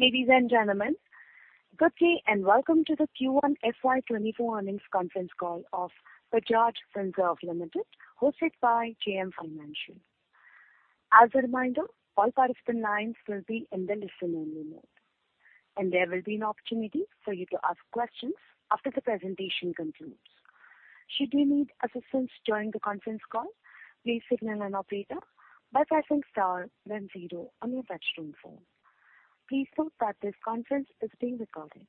Ladies and gentlemen, good day, and welcome to the Q1 FY 2024 earnings conference call of Bajaj Finserv Limited, hosted by JM Financial. As a reminder, all participant lines will be in listen-only mode, and there will be an opportunity for you to ask questions after the presentation concludes. Should you need assistance during the conference call, please signal an operator by pressing star then zero on your touchtone phone. Please note that this conference is being recorded.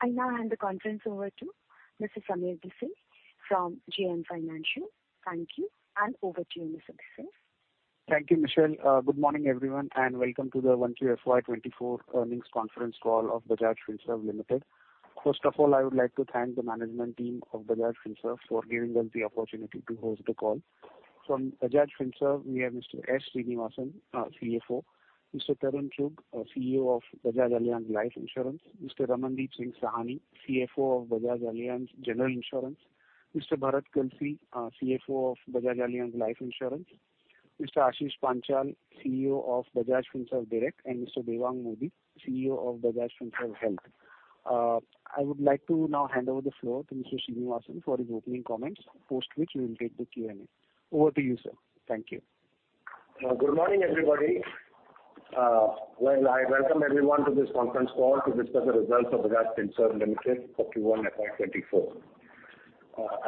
I now hand the conference over to Sameer Bhise from JM Financial. Thank you, and over to you, Bhise. Thank you, Michelle. Good morning, everyone, and welcome to the Q1 FY 2024 earnings conference call of Bajaj Finserv Limited. First of all, I would like to thank the management team of Bajaj Finserv for giving us the opportunity to host the call. From Bajaj Finserv, we have Mr. S. Sreenivasan, our CFO, Mr. Tarun Chugh, CEO of Bajaj Allianz Life Insurance, Mr. Ramandeep Singh Sahni, CFO of Bajaj Allianz General Insurance, Mr. Bharat Kalsi, CFO of Bajaj Allianz Life Insurance, Mr. Ashish Panchal, CEO of Bajaj Finserv Direct, and Mr. Devang Mody, CEO of Bajaj Finserv Health. I would like to now hand over the floor to Mr. S. Sreenivasan for his opening comments, post which we will take the Q&A. Over to you, sir. Thank you. Good morning, everybody. Well, I welcome everyone to this conference call to discuss the results of Bajaj Finserv Limited for Q1 FY 2024.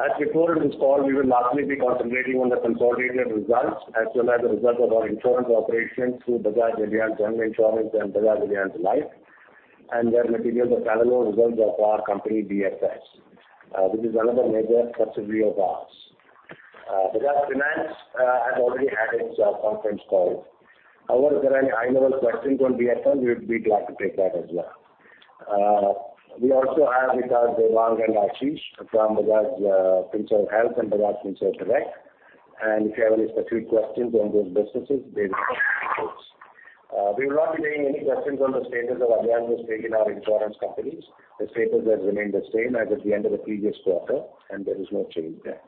As before, in this call, we will largely be concentrating on the consolidated results, as well as the results of our insurance operations through Bajaj Allianz General Insurance and Bajaj Allianz Life, and there material the parallel results of our company, BFL, which is another major subsidiary of ours. Bajaj Finance has already had its conference call. However, if there are any high-level questions on BFL, we would be glad to take that as well. We also have with us Devang and Ashish from Bajaj Finserv Health and Bajaj Finserv Direct, and if you have any specific questions on those businesses, they will answer, of course. We will not be taking any questions on the status of Allianz's stake in our insurance companies. The status has remained the same as at the end of the previous quarter, and there is no change there.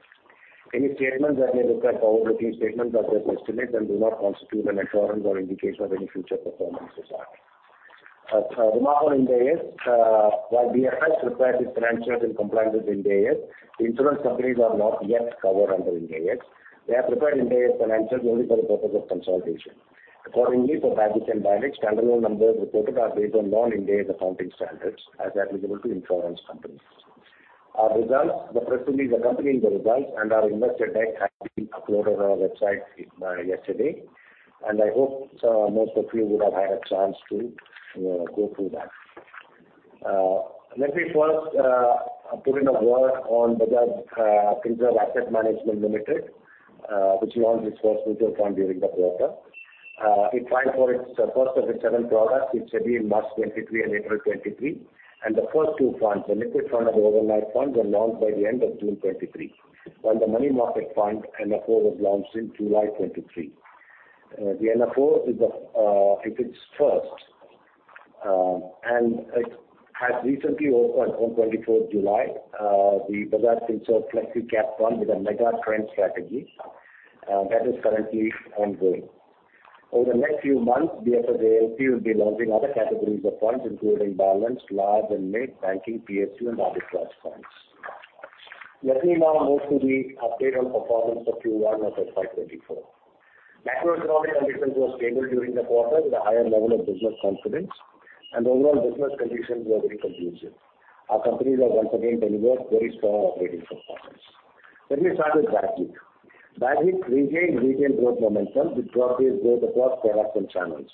Any statements that may look like forward-looking statements are just estimates and do not constitute an assurance or indication of any future performance as well. As a remark on Ind AS, while BFL prepares its financials in compliance with Ind AS, the insurance companies are not yet covered under Ind AS. They have prepared Ind AS financials only for the purpose of consolidation. Accordingly, for Bajaj standalone numbers reported are based on non-Ind AS accounting standards as applicable to insurance companies. Our results, the press release accompanying the results and our investor deck has been uploaded on our website yesterday. I hope most of you would have had a chance to go through that. Let me first put in a word on Bajaj Finserv Asset Management Limited, which launched its first mutual fund during the quarter. It filed for its first of its seven products in February, March 2023, and April 2023. The first two funds, the liquid fund and the overnight fund, were launched by the end of June 2023, while the money market fund, NFO, was launched in July 2023. The NFO is the first, and it has recently opened on 24th July, the Bajaj Finserv Flexi Cap Fund with a mega trend strategy that is currently ongoing. Over the next few months, BFSL will be launching other categories of funds, including balanced, large and mid, banking, PSU, and other trust funds. Let me now move to the update on performance for Q1 of FY 2024. Macroeconomic conditions were stable during the quarter, with a higher level of business confidence, and overall business conditions were very conducive. Our companies have once again delivered very strong operating performance. Let me start with Bajaj. Bajaj regained retail growth momentum, with proactive growth across products and channels.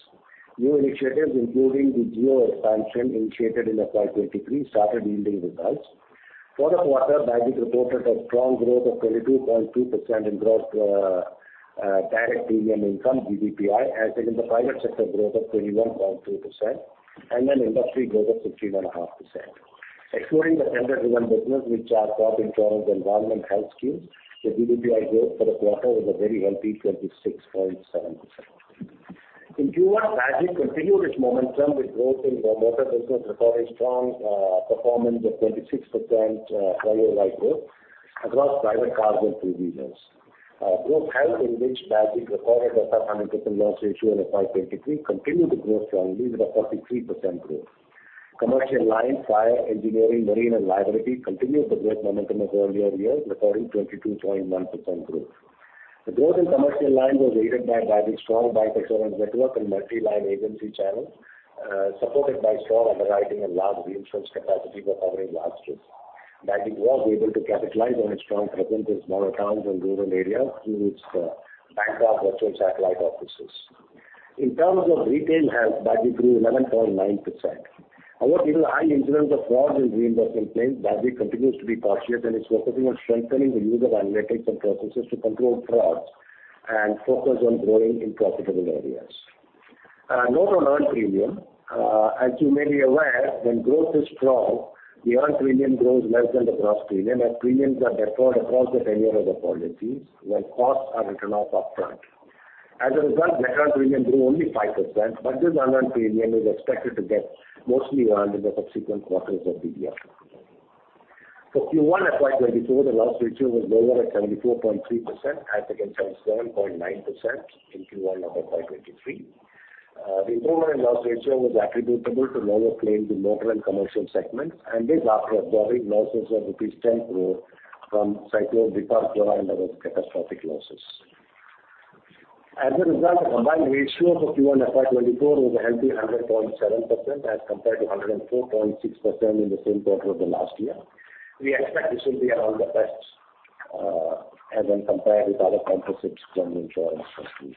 New initiatives, including the geo expansion initiated in the FY 2023, started yielding results. For the quarter, Bajaj reported a strong growth of 22.2% in gross direct premium income, GTPI, as against the private sector growth of 21.2% and an industry growth of 15.5%. Excluding the tender-driven business, which are crop insurance and environment health schemes, the GTPI growth for the quarter was a very healthy 26.7%. In Q1, Bajaj continued its momentum with growth in the motor business, recording strong performance of 26% year-over-year growth across private cars and two wheelers. Growth health in which Bajaj recorded a 500% loss ratio in FY 2023 continued to grow strongly with a 33% growth. Commercial line, fire, engineering, marine, and liability continued the growth momentum of earlier years, recording 22.1% growth. The growth in commercial line was aided by Bajaj's strong bike insurance network and multi-line agency channels, supported by strong underwriting and large reinsurance capacity for covering large risks. Bajaj was able to capitalize on its strong presence in small accounts and rural areas through its bank of virtual satellite offices. In terms of retail health, Bajaj grew 11.9%. Due to high incidence of fraud in reimbursement claims, Bajaj continues to be cautious, and it's focusing on strengthening the use of analytics and processes to control fraud and focus on growing in profitable areas. Note on earned premium, as you may be aware, when growth is strong, the earned premium grows less than the gross premium, as premiums are deferred across the tenure of the policies, while costs are written off upfront. As a result, net earned premium grew only 5%, but this unearned premium is expected to get mostly earned in the subsequent quarters of the year. Q1 FY2024, the loss ratio was lower at 74.3% as against 77.9% in Q1 of FY2023. The improvement in loss ratio was attributable to lower claims in local and commercial segments, and this after absorbing losses of 10 crore from Cyclone Biparjoy and other catastrophic losses. As a result, the combined ratio for Q1 FY2024 was a healthy 100.7% as compared to 104.6% in the same quarter of the last year. We expect this will be around the best as when compared with other composites general insurance companies.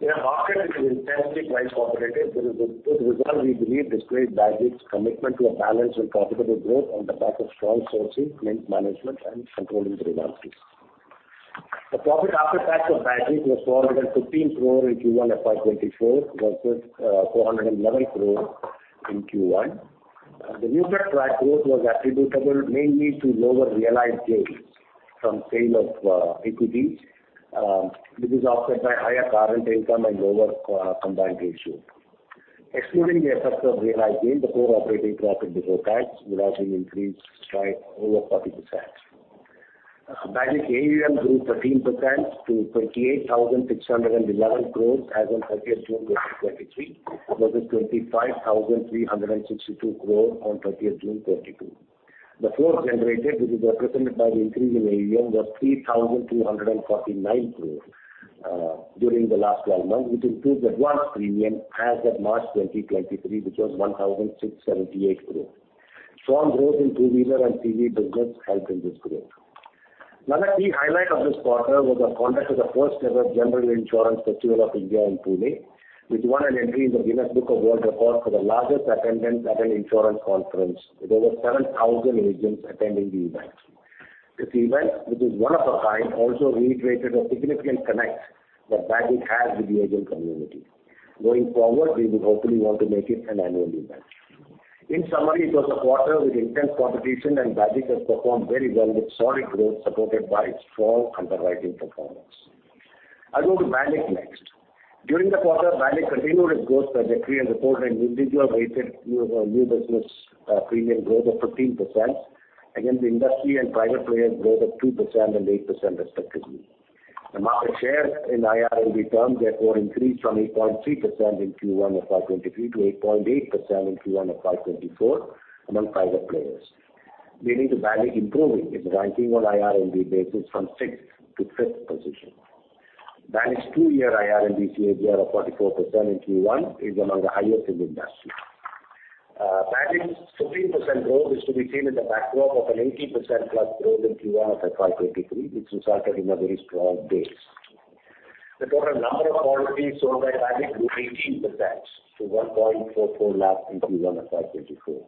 In a market, which is intensely price competitive, this is a good result we believe displays Bajaj's commitment to a balanced and profitable growth on the back of strong sourcing, claim management, and controlling the expenses. The profit after tax of Bajaj was 415 crore in Q1 FY2024 versus 411 crore in Q1. The year-over-year growth was attributable mainly to lower realized gains from sale of equities, which is offset by higher current income and lower combined ratio. Excluding the effects of realized gains, the core operating profit before tax would have increased by over 40%. Bajaj AUM grew 13% to 28,611 crore as on June 30, 2023 versus 25,362 crore on June 30, 2022. The flow generated, which is represented by the increase in AUM, was 3,249 crore during the last 12 months, which includes advanced premium as of March 2023, which was 1,678 crore. Strong growth in two-wheeler and TV business helped in this growth. Another key highlight of this quarter was the conduct of the first-ever General Insurance Festival of India in Pune, which won an entry in the Guinness Book of World Records for the largest attendance at an insurance conference, with over 7,000 agents attending the event. This event, which is one of a kind, also reiterated a significant connect that Bajaj has with the agent community. Going forward, we would hopefully want to make it an annual event. In summary, it was a quarter with intense competition, Bajaj has performed very well with solid growth, supported by its strong underwriting performance. I'll go to Bajaj next. During the quarter, Bajaj continued its growth trajectory and reported an individual weighted new business premium growth of 15% against the industry and private players growth of 2% and 8% respectively. The market share in IRNB terms, therefore, increased from 8.3% in Q1 of FY 2023 to 8.8% in Q1 of FY 2024 among private players, leading to Bajaj improving its ranking on IRNB basis from sixth to fifth position. Bajaj's 2-year IRNB CAGR of 44% in Q1 is among the highest in the industry. Bajaj's 15% growth is to be seen in the backdrop of an 18%+ growth in Q1 of FY 2023, which resulted in a very strong base. The total number of policies sold by Bajaj grew 18% to 1.44 lakh in Q1 of FY 2024.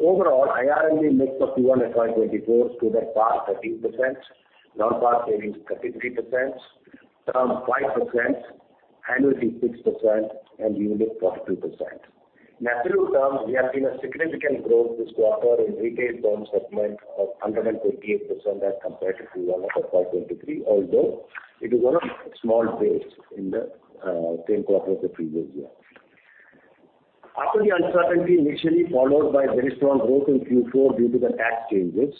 Overall, IRNB mix of Q1 FY2024 stood at PAR 13%, non-PAR savings, 33%, term, 5%, annuity, 6%, and unit, 42%. In absolute terms, we have seen a significant growth this quarter in retail term segment of 158% as compared to Q1 of FY2023, although it is on a small base in the same quarter of the previous year. After the uncertainty initially followed by very strong growth in Q4 due to the tax changes,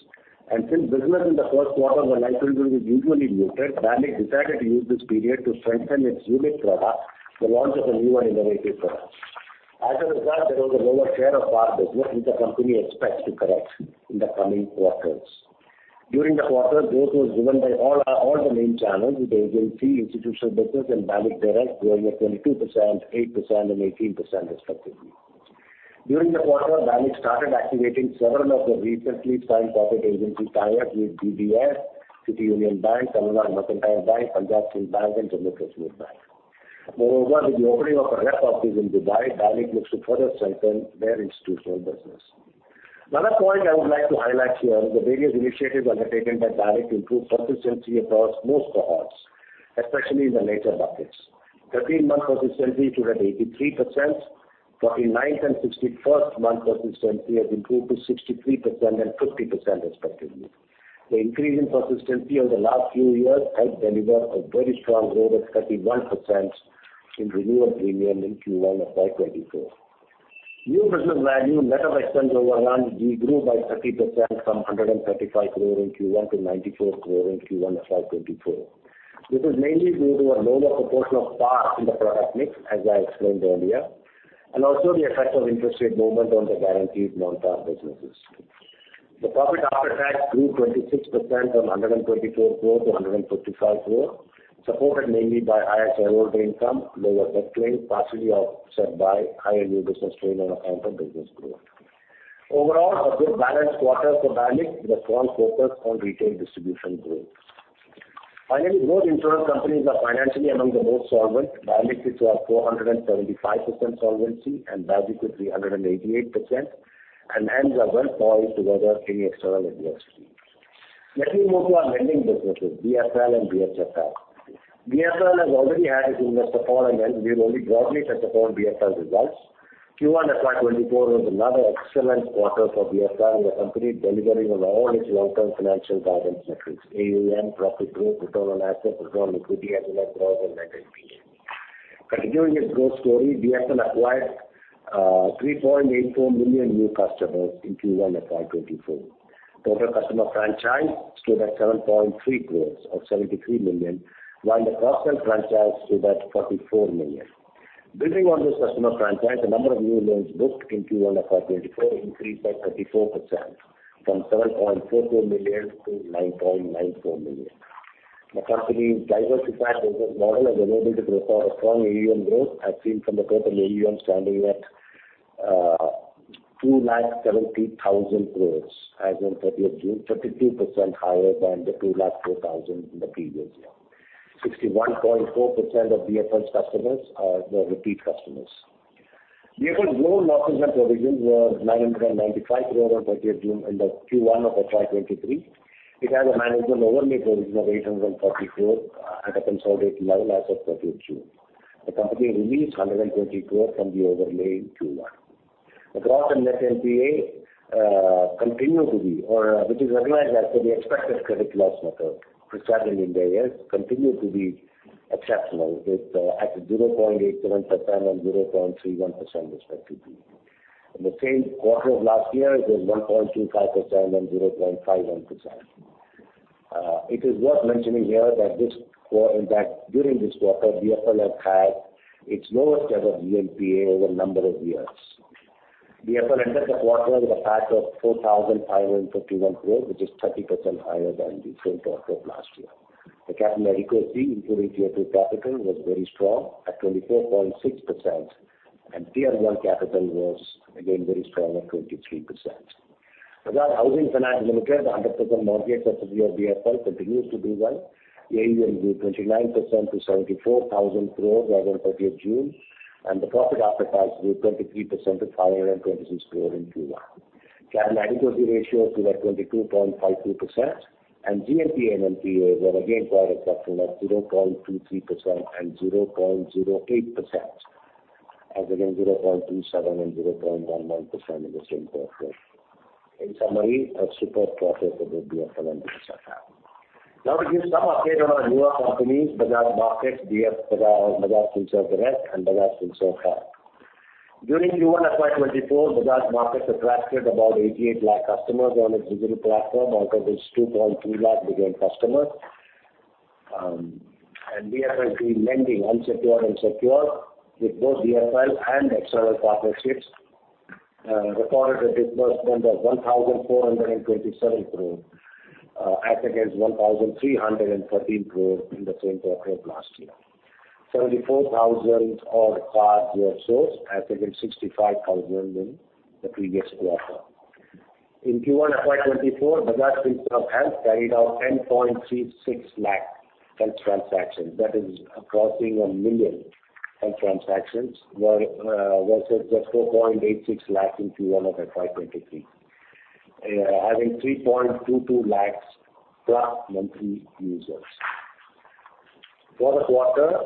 since business in the Q1 were likely to be usually muted, Bajaj decided to use this period to strengthen its unique product, the launch of a new and innovative product. As a result, there was a lower share of PAR business, which the company expects to correct in the coming quarters. During the quarter, growth was driven by all the main channels, with agency, institutional business, and Bajaj Direct growing at 22%, 8%, and 18% respectively. During the quarter, Bajaj started activating several of the recently signed corporate agency tie-ups with DBS, City Union Bank, Canara Bank, Punjab National Bank, and Indian Bank. Moreover, with the opening of a rep office in Dubai, Bajaj looks to further strengthen their institutional business. Another point I would like to highlight here is the various initiatives undertaken by Bajaj to improve consistency across most cohorts, especially in the later buckets. 13-month consistency stood at 83%. 49th and 61st month consistency has improved to 63% and 50% respectively. The increase in consistency over the last few years helped deliver a very strong growth of 31% in renewal premium in Q1 of FY 2024. New Business Value, net of expense overruns, grew by 30% from 135 crore in Q1 to 94 crore in Q1 of FY 2024. This is mainly due to a lower proportion of PAR in the product mix, as I explained earlier, and also the effect of interest rate movement on the guaranteed Non-PAR businesses. The profit after tax grew 26% from 124 crore to 155 crore, supported mainly by higher shareholder income, lower tax claim, partially offset by higher new business claim on account of business growth. Overall, a good balanced quarter for Bajaj, with a strong focus on retail distribution growth. Finally, both insurance companies are financially among the most solvent. Bajaj sits at 475% solvency and Bajaj with 388%, hence are well poised to weather any external adversity. Let me move to our lending businesses, BFL and BHFL. BFL has already had its investor call, hence we will only broadly touch upon BFL's results. Q1 of FY 2024 was another excellent quarter for BFL, the company is delivering on all its long-term financial guidance metrics, AUM, profit growth, return on assets, return on equity, as well as gross and net NPA. Continuing its growth story, BFL acquired 3.84 million new customers in Q1 of FY 2024. Total customer franchise stood at 7.3 crores or 73 million, while the personal franchise stood at 44 million. Building on this customer franchise, the number of new loans booked in Q1 of FY 2024 increased by 34%, from 7.44 million to 9.94 million. The company's diversified business model has enabled it to report a strong AUM growth, as seen from the total AUM standing at INR 270,000 crore as on 30th June, 32% higher than the 204,000 crore in the previous year. 61.4% of BFL's customers are the repeat customers. BFL's loan losses and provisions were 995 crore on 30th June in the Q1 of FY23. It has a management overlay provision of 844 at a consolidated level as of 30th June. The company released 120 crore from the overlay in Q1. The gross and net NPA continue to be, or which is recognized as per the expected credit loss method prescribed in Ind AS, continue to be exceptional, with at 0.87% and 0.31%, respectively. In the same quarter of last year, it was 1.25% and 0.51%. It is worth mentioning here that in fact, during this quarter, BFL has had its lowest ever GNPA over a number of years. BFL entered the quarter with a PAT of 4,551 crore, which is 30% higher than the same quarter of last year. The capital adequacy, including tier two capital, was very strong at 24.6%, and tier one capital was again very strong at 23%. Bajaj Housing Finance Limited, the 100% mortgage subsidiary of BFL, continues to do well. AUM grew 29% to 74,000 crore as on June 30, and the profit after tax grew 23% to 526 crore in Q1. Capital adequacy ratio stood at 22.52%. GNPA and NPA were again quite exceptional at 0.23% and 0.08%, as against 0.27 and 0.11% in the same quarter. In summary, a super quarter for both BFL and Bajaj Finance. To give some update on our newer companies, Bajaj Markets, BF Bajaj, Bajaj Finserv Direct, and Bajaj Finserv Health. During Q1 FY 2024, Bajaj Markets attracted about 88 lakh customers on its digital platform, out of which 2.3 lakh became customers. BFSI lending, unsecured and secured, with both BFL and external partnerships, recorded a disbursement of 1,427 crore, as against 1,313 crore in the same quarter of last year. 74,000 odd cards were sourced, as against 65,000 in the previous quarter. In Q1 FY24, Bajaj Finserv Health carried out 10.36 lakh health transactions. That is crossing 1 million health transactions, where, versus just 4.86 lakh in Q1 of FY23, having 3.22 lakh+ monthly users. For the quarter,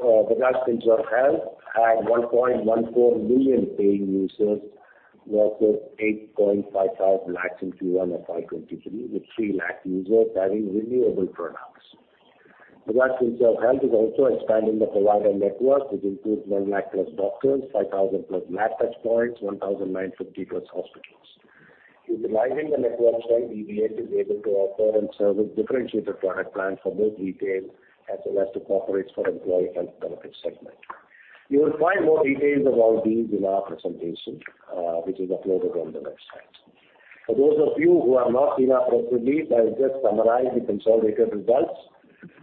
Bajaj Finserv Health had 1.14 million paying users, versus 8.55 lakh in Q1 of FY23, with 3 lakh users having renewable products. Bajaj Finserv Health is also expanding the provider network, which includes 1 lakh+ doctors, 5,000+ lab touchpoints, 1,950+ hospitals. Utilizing the network strength, BFH is able to offer and service differentiated product plans for both retail as well as the corporates for employee health benefit segment. You will find more details about these in our presentation, which is uploaded on the website. For those of you who have not seen our presentation, I'll just summarize the consolidated results.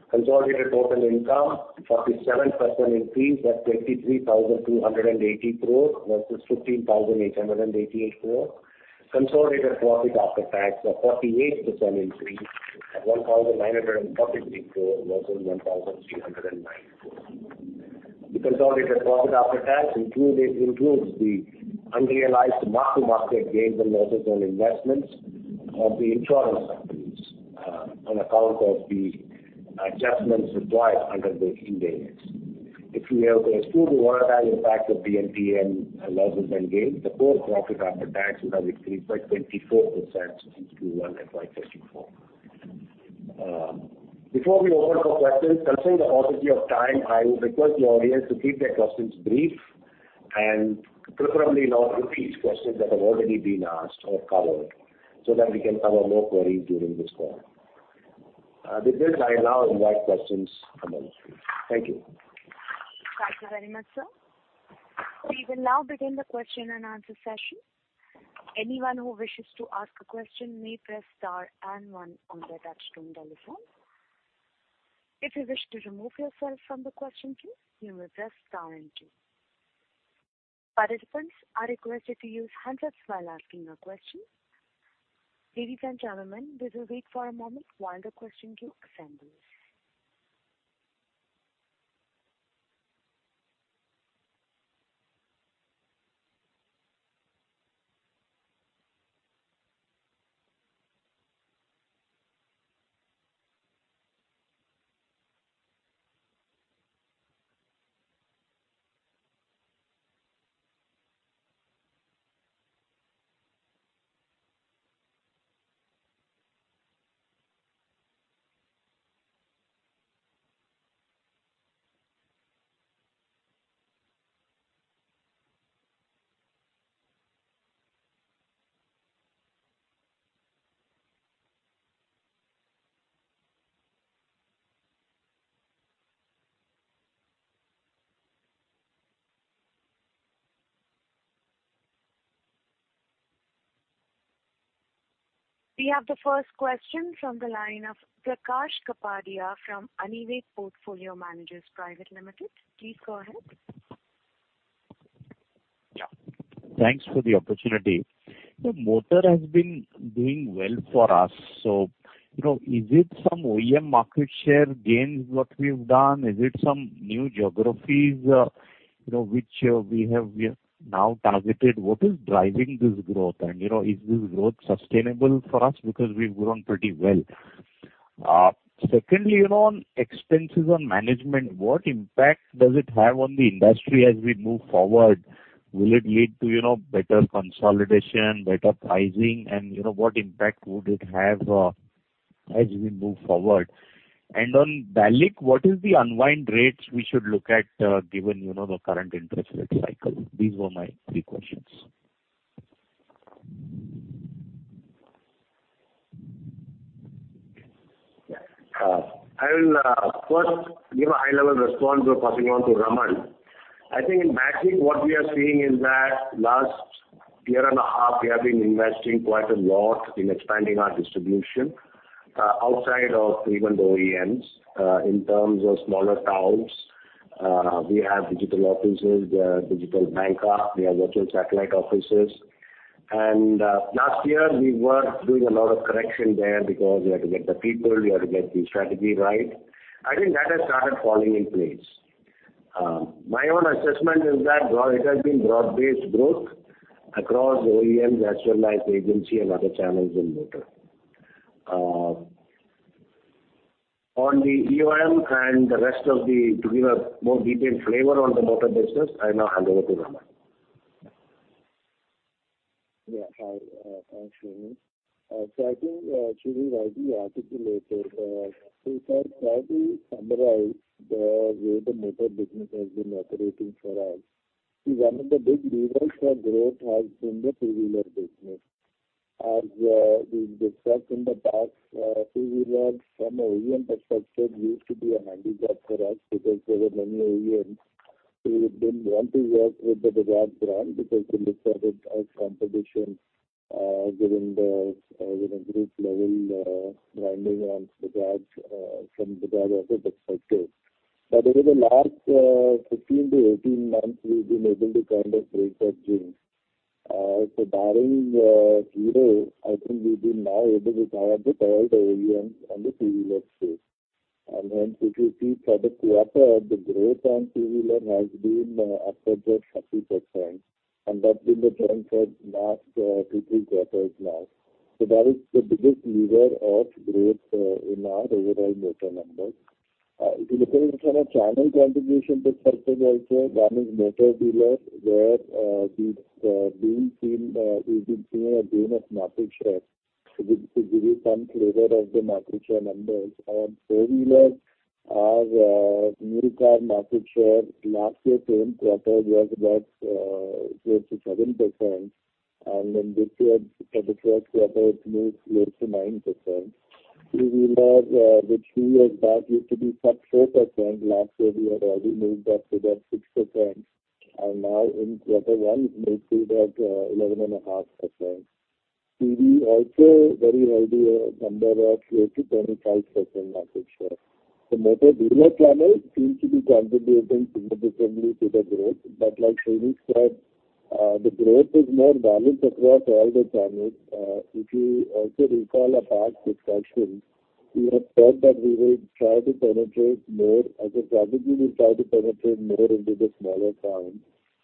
Consolidated total income, 47% increase at 23,280 crore versus 15,888 crore. Consolidated profit after tax, a 48% increase at 1,943 crore versus 1,309 crore. The consolidated profit after tax it includes the unrealized mark-to-market gains and losses on investments of the insurance companies on account of the adjustments required under the Ind AS. If we exclude the one-time impact of BNPP and losses and gains, the core profit after tax would have increased by 24% since Q1 FY 2024. Before we open for questions, considering the paucity of time, I would request the audience to keep their questions brief and preferably not repeat questions that have already been asked or covered, so that we can cover more queries during this call. With this, I now invite questions from all of you. Thank you. Thank you very much, sir. We will now begin the question and answer session. Anyone who wishes to ask a question may press Star and one on their touch-tone telephone. If you wish to remove yourself from the question queue, you may press Star and two. Participants are requested to use handsets while asking a question. Ladies and gentlemen, we will wait for a moment while the question queue assembles. We have the first question from the line of Prakash Kapadia from Anived Portfolio Managers Private Limited. Please go ahead. Thanks for the opportunity. Motor has been doing well for us. You know, is it some OEM market share gains, what we've done? Is it some new geographies, you know, which we have now targeted? What is driving this growth? You know, is this growth sustainable for us because we've grown pretty well. Secondly, you know, on expenses on management, what impact does it have on the industry as we move forward? Will it lead to, you know, better consolidation, better pricing, and, you know, what impact would it have as we move forward? On BALIC, what is the unwind rates we should look at, given, you know, the current interest rate cycle? These were my three questions. I will first give a high-level response by passing on to Raman. I think in BAGIC, what we are seeing is that last year and a half, we have been investing quite a lot in expanding our distribution outside of even the OEMs. In terms of smaller towns, we have digital offices, digital banker, we have virtual satellite offices. Last year, we were doing a lot of correction there because we had to get the people, we had to get the strategy right. I think that has started falling in place. My own assessment is that it has been broad-based growth across OEMs, as well as agency and other channels in motor. On the EoM and the rest. To give a more detailed flavor on the motor business, I now hand over to Raman. Hi, thanks, Sreeni. I think Sreenivasan rightly articulated, so if I try to summarize the way the motor business has been operating for us, one of the big levers for growth has been the two-wheeler business. As we discussed in the past, two-wheeler from an OEM perspective, used to be a handicap for us because there were many OEMs who didn't want to work with the Bajaj brand because they looked at it as competition, given the group level branding on Bajaj from Bajaj Auto perspective. Over the last 15-18 months, we've been able to kind of break that gym. Barring Hero, I think we've been now able to tie up with all the OEMs on the two-wheeler space. Hence, if you see for the quarter, the growth on two-wheeler has been upwards of 50%, and that's been the trend for last two, three quarters now. That is the biggest lever of growth in our overall motor numbers. If you look at it from a channel contribution perspective, also, one is motor dealers, where we've been seeing a gain of market share. To give you some flavor of the market share numbers, on four-wheeler, our new car market share last year, same quarter, was about 4%-7%, and then this year, for the Q1, it moved close to 9%. Three-wheeler, which 3 years back used to be sub 4%, last year we had already moved that to about 6%, and now in Q1, it moved to about 11.5%. TV, also very healthy, a number of 4%-25% market share. The motor dealer channel seems to be contributing significantly to the growth, but like Srinivas said, the growth is more balanced across all the channels. If you also recall our past discussions, we have said that we will try to penetrate more, as a strategy, we'll try to penetrate more into the smaller towns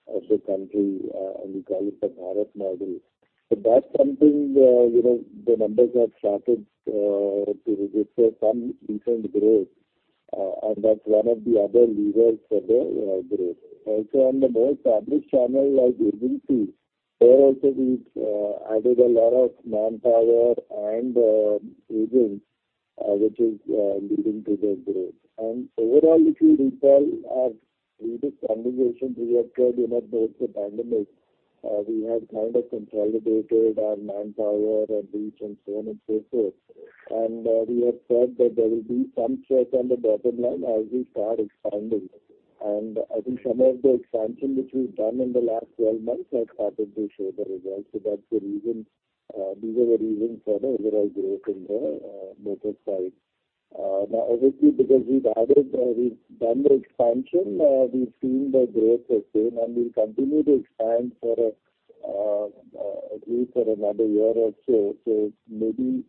of the country, and we call it the Bharat model. That's something, you know, the numbers have started to register some recent growth, and that's one of the other levers for the growth. Also, on the more established channel, like agency, there also we've, added a lot of manpower and, agents, which is, leading to the growth. Overall, if you recall our previous conversations, we have said in both the pandemic, we have kind of consolidated our manpower and reach and so on and so forth. We have said that there will be some stress on the bottom line as we start expanding. I think some of the expansion which we've done in the last 12 months has started to show the results. That's the reason, these are the reasons for the overall growth in the, motor side. Now, obviously, because we've added, we've done the expansion, we've seen the growth sustain, and we'll continue to expand for, at least for another year or two. Maybe,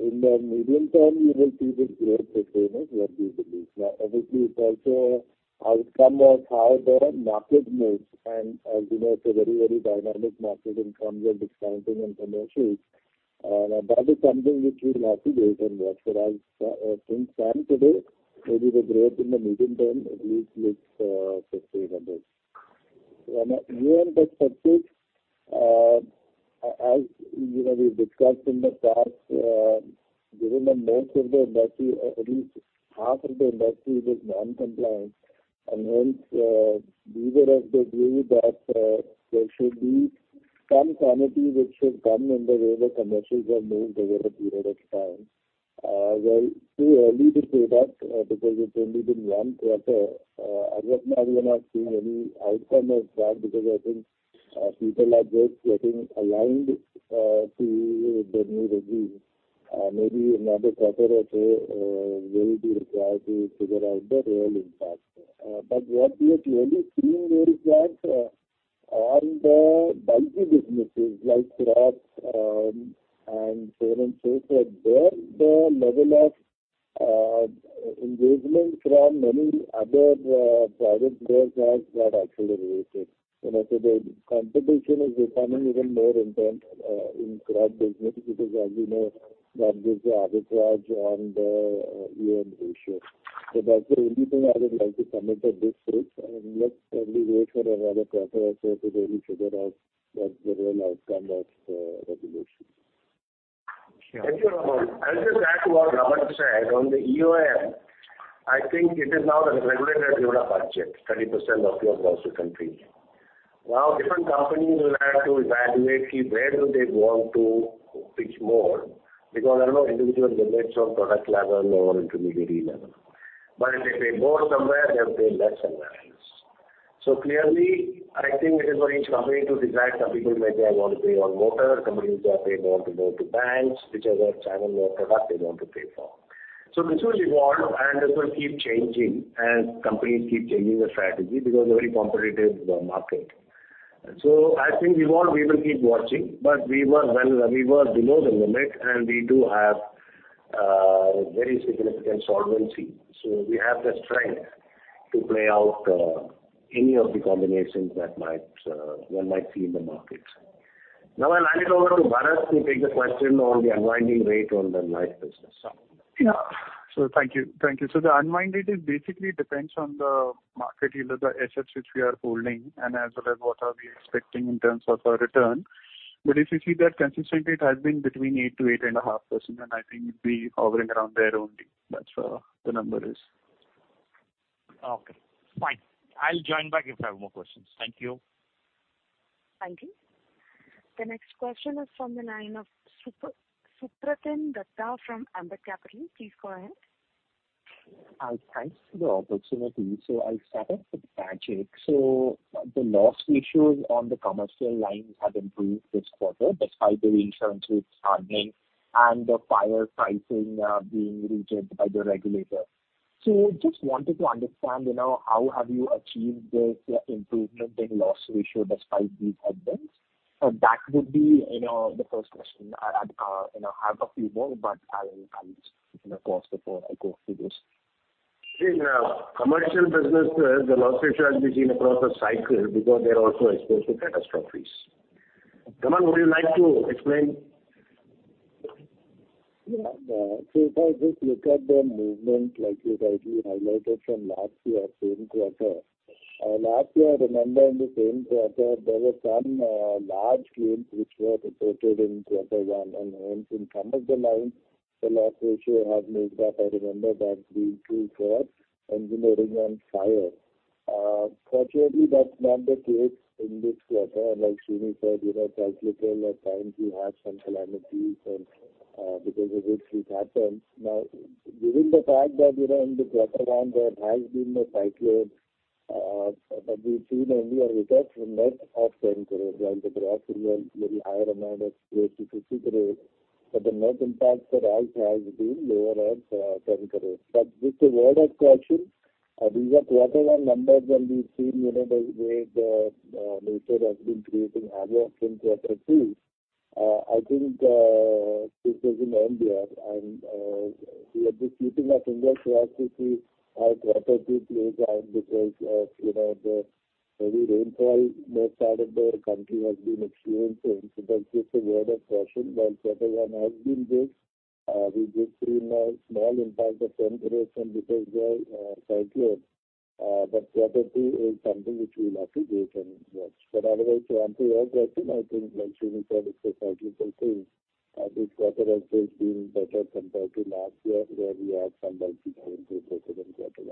in the medium term, you will see this growth sustain is what we believe. Obviously, it's also outcome of how the market moves. As you know, it's a very, very dynamic market in terms of discounting and promotions, and that is something which we'll have to wait and watch. As things stand today, maybe the growth in the medium term at least looks sustainable. Even the subject, as, you know, we've discussed in the past, given the most of the industry, at least half of the industry is non-compliant, and hence, we were of the view that, there should be some sanity which should come in the way the commercials are moved over a period of time. Well, it's too early to say that, because it's only been one quarter. As of now, we are not seeing any outcome of that, because I think people are just getting aligned to the new regime. Maybe another quarter or so will be required to figure out the real impact. What we are clearly seeing here is that on the bulky businesses like crops, and so on and so forth, there the level of engagement from many other private players has got actually raised. You know, the competition is becoming even more intense in crop business, because as you know, that gives the arbitrage on the UM ratio. That's the only thing I would like to comment at this stage, and let's probably wait for another quarter or so to really figure out what the real outcome of the regulation. Thank you, Raman. I'll just add to what Raman said. On the EOM, I think it is now the regulator has given a budget, 30% of your gross to complete. Different companies will have to evaluate where do they want to pitch more, because there are no individual limits on product level or intermediary level. If they pay more somewhere, they'll pay less somewhere else. Clearly, I think it is for each company to decide. Some people may say, I want to pay on motor, companies are paying more to go to banks, which other channel or product they want to pay for. This will evolve and this will keep changing as companies keep changing their strategy because a very competitive market. I think we will keep watching, but we were well, we were below the limit, and we do have very significant solvency. We have the strength to play out any of the combinations that might one might see in the market. I'll hand it over to Bharat to take the question on the unwinding rate on the life business. Yeah. Thank you, thank you. The unwind rate, it basically depends on the market yield of the assets which we are holding and as well as what are we expecting in terms of a return. If you see that consistently, it has been between 8% to 8.5%, and I think it'll be hovering around there only. That's where the number is. Okay, fine. I'll join back if I have more questions. Thank you. Thank you. The next question is from the line of Supratim Datta from Ambit Capital. Please go ahead. Thanks for the opportunity. I'll start off with BAGIC. The loss ratios on the commercial lines have improved this quarter, despite the reinsurance hardening and the fire pricing, being rigid by the regulator. Just wanted to understand, you know, how have you achieved this improvement in loss ratio despite these headwinds? That would be, you know, the first question. I, you know, I have a few more, but I will, I will, you know, pause before I go through this. In commercial businesses, the loss ratio has been across the cycle because they're also exposed to catastrophes. Raman, would you like to explain? Yeah, if I just look at the movement, like you rightly highlighted from last year, same quarter. Last year, I remember in the same quarter, there were some large claims which were reported in quarter 1, and hence, in some of the lines, the loss ratio has moved up. I remember that we saw in engineering and fire. Fortunately, that's not the case in this quarter. Like Sunil said, you know, cyclical at times, we have some calamities and because of which it happens. Given the fact that, you know, in the quarter 1, there has been a cyclone, but we've seen only a return from net of INR 10 crore, while the gross was a very higher amount of INR 50 crore, but the net impact for us has been lower at 10 crore. Just a word of caution, these are quarter one numbers, and we've seen, you know, the way the nature has been creating havoc in quarter two, I think this doesn't end here, and we are just keeping our fingers crossed to see how quarter two plays out, because, you know, the heavy rainfall, north side of the country has been experiencing. That's just a word of caution. While quarter one has been good, we did see a small impact of 10 crore and because of the cyclone, but quarter two is something which we'll have to wait and watch. Otherwise, to answer your question, I think like Sunil said, it's a cyclical thing. This quarter has been better compared to last year, where we had some bulky claims reported in quarter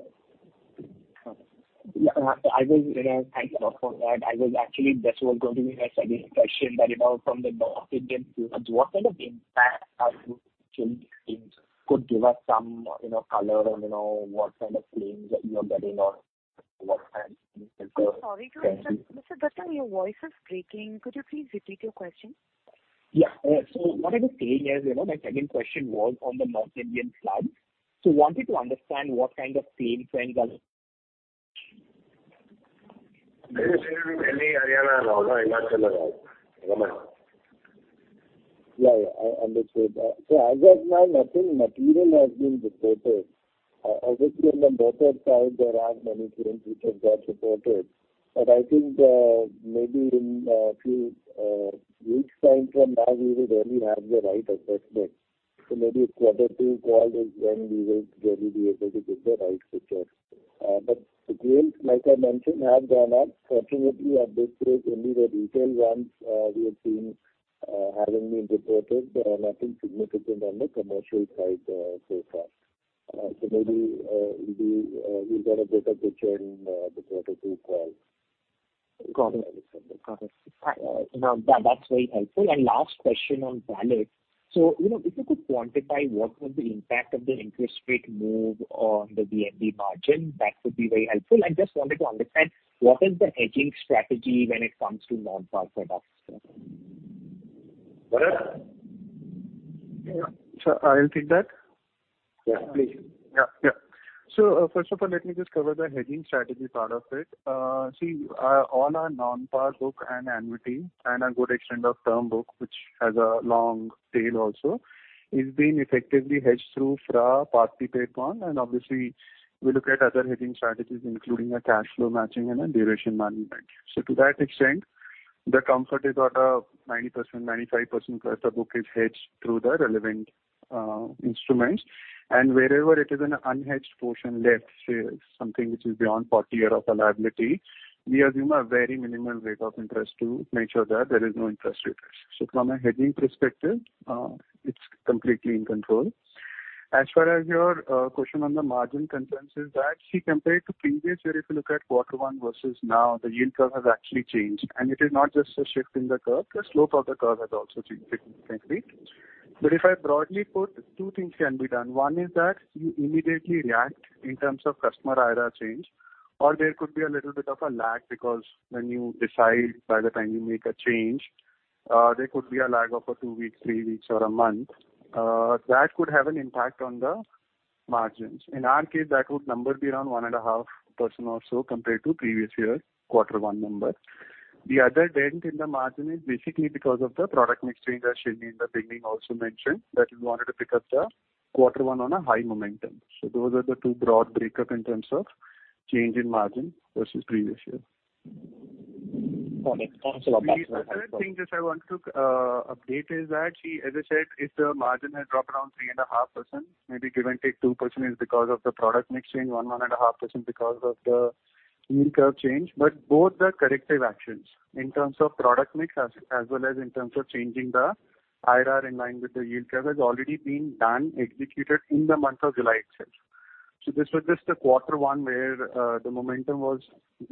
one. I was, thank you a lot for that. I was actually, this was going to be my second question, but you know, from the North Indian, what kind of impact are you seeing? Could give us some, you know, color on, you know, what kind of claims that you are getting or what kind- I'm sorry to interrupt. Mr. Dutta, your voice is breaking. Could you please repeat your question? Yeah. So what I was saying is, you know, my second question was on the North Indian floods. Wanted to understand what kind of claims trends are? There is in Delhi, Haryana, Lahaul and Spiti, Rahman. I understand that. As of now, nothing material has been reported. Obviously, on the motor side, there are many claims which have got reported, but I think, maybe in few weeks' time from now, we will really have the right assessment. Maybe a quarter 2 call is when we will really be able to give the right picture. The claims, like I mentioned, have gone up. Fortunately, at this stage, only the retail ones, we have seen having been reported, nothing significant on the commercial side, so far. Maybe, we'll get a better picture in the quarter 2 call. Got it. hat's very helpful. Last question on balance. You know, if you could quantify what was the impact of the interest rate move on the VNB margin, that would be very helpful. I just wanted to understand what is the hedging strategy when it comes to Non-PAR products? Bharat? Yeah. I'll take that? Please. First of all, let me just cover the hedging strategy part of it. See, on our Non-PAR book and annuity and a good extent of term book, which has a long tail also, is being effectively hedged through FRA, path-dependent option. Obviously, we look at other hedging strategies, including a cash flow matching and a duration management. To that extent, the comfort is about a 90%-95% for the book is hedged through the relevant instruments. Wherever it is an unhedged portion left, say, something which is beyond 40 year of a liability, we assume a very minimal rate of interest to make sure that there is no interest risk. From a hedging perspective, it's completely in control. As far as your question on the margin concerns is that, see, compared to previous year, if you look at quarter one versus now, the yield curve has actually changed, and it is not just a shift in the curve, the slope of the curve has also changed significantly. If I broadly put, two things can be done. One is that you immediately react in terms of customer IRR change, or there could be a little bit of a lag, because when you decide by the time you make a change, there could be a lag of a two weeks, three weeks, or a month. That could have an impact on the margins. In our case, that could number be around 1.5% or so compared to previous year, quarter one number. The other dent in the margin is basically because of the product mix change that Shailen in the beginning also mentioned, that we wanted to pick up the quarter one on a high momentum. Those are the two broad breakup in terms of change in margin versus previous year. Got it. Thanks a lot. The other thing just I want to update is that, see, as I said, if the margin has dropped around 3.5%, maybe give and take 2% is because of the product mixing, 1%, 1.5% because of the yield curve change. Both the corrective actions in terms of product mix, as well as in terms of changing the IRR in line with the yield curve, has already been done, executed in the month of July itself. This was just a Q1, where the momentum was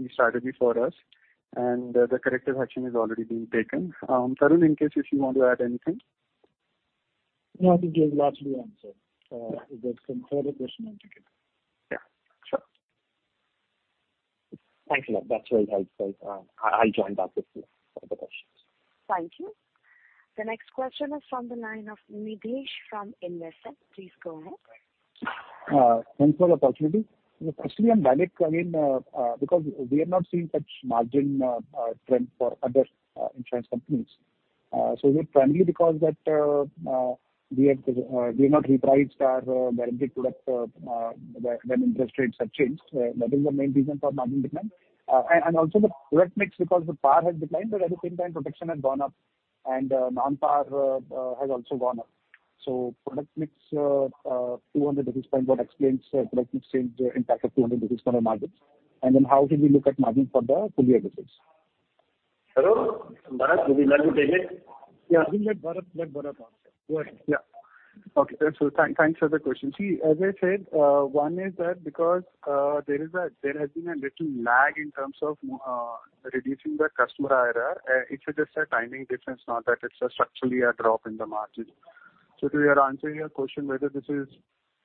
decidedly for us, and the corrective action has already been taken. Tarun, in case if you want to add anything? No, I think you have largely answered, the third question on ticket. Yeah, sure. Thanks a lot. That's very helpful. I'll join back with you for the questions. Thank you. The next question is from the line of Nidesh from Investec. Please go ahead. Thanks for the opportunity. The question on VNB again, because we are not seeing such margin trend for other insurance companies. Is it primarily because that we have we not repriced our guarantee product when interest rates have changed? That is the main reason for margin decline. Also the product mix, because the PAR has declined, but at the same time, protection has gone up, and Non-PAR has also gone up. Product mix, 200 basis points what explains product mix change, impact of 200 basis point on margins. How did we look at margin for the full year results? Hello, Bharat, would you like to take it? Yeah. I think let Bharat, let Bharat answer. Go ahead. Okay, sure. Thanks for the question. As I said, one is that because there has been a little lag in terms of reducing the customer IRR. It's just a timing difference, not that it's a structurally a drop in the margin. To your answer, your question, whether this is...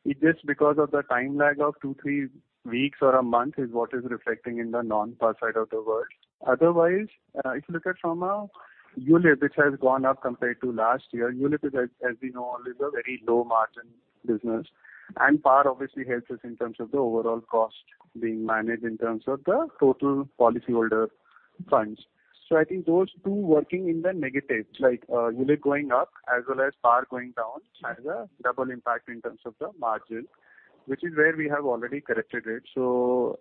It's just because of the time lag of two, three weeks or a month, is what is reflecting in the Non-PAR side of the world. Otherwise, if you look at from a ULIP, which has gone up compared to last year, ULIP is as we know, is a very low margin business, and PAR obviously helps us in terms of the overall cost being managed in terms of the total policyholder funds. I think those two working in the negative, like, ULIP going up as well as PAR going down, has a double impact in terms of the margin, which is where we have already corrected it. If you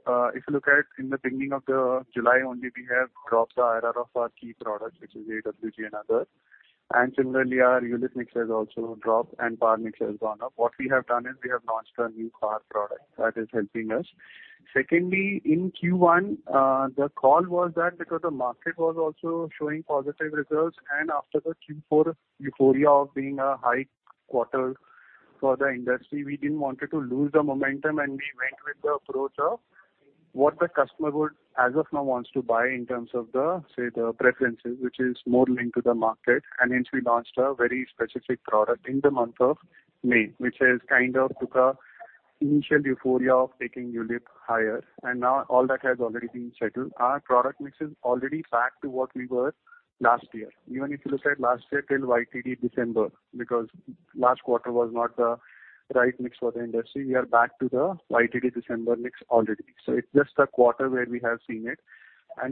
look at in the beginning of the July only, we have dropped the IRR of our key products, which is AWG and other. Similarly, our ULIP mix has also dropped and PAR mix has gone up. What we have done is we have launched a new PAR product that is helping us. Secondly, in Q1, the call was that because the market was also showing positive results, and after the Q4 euphoria of being a high quarter for the industry, we didn't want to lose the momentum, and we went with the approach of what the customer would, as of now, wants to buy in terms of the, say, the preferences, which is more linked to the market. Hence, we launched a very specific product in the month of May, which has kind of took a initial euphoria of taking ULIP higher, and now all that has already been settled. Our product mix is already back to what we were last year. Even if you look at last year till YTD December, because last quarter was not the right mix for the industry, we are back to the YTD December mix already. It's just a quarter where we have seen it.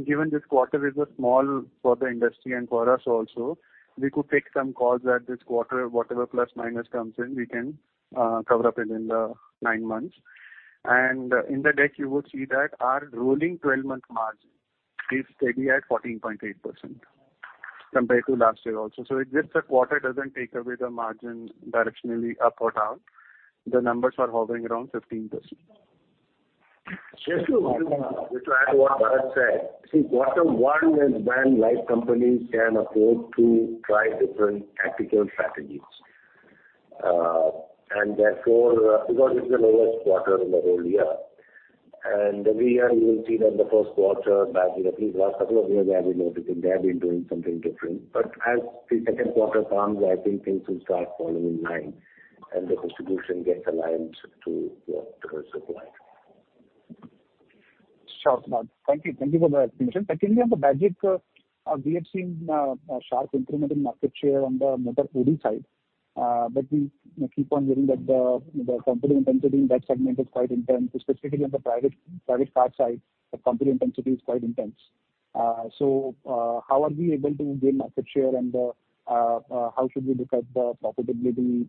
Given this quarter is a small for the industry and for us also, we could take some calls that this quarter, whatever plus, minus comes in, we can cover up it in the 9 months. In the deck, you would see that our rolling 12-month margin- Is steady at 14.8%, compared to last year also. It's just a quarter doesn't take away the margin directionally up or down. The numbers are hovering around 15%. Just to add to what Bharat said, see, quarter one is when life companies can afford to try different tactical strategies. Therefore, because it's the lowest quarter in the whole year, and every year you will see that the Q1, at least the last couple of years, I've been noticing they have been doing something different. As the Q2 comes, I think things will start falling in line, and the distribution gets aligned to the rest of life. Sure. Thank you. Thank you for the explanation. Secondly, on the BAGIC, we have seen a sharp improvement in market share on the motor OD side, but we keep on hearing that the company intensity in that segment is quite intense, specifically on the private car side, the company intensity is quite intense. So, how are we able to gain market share? How should we look at the profitability,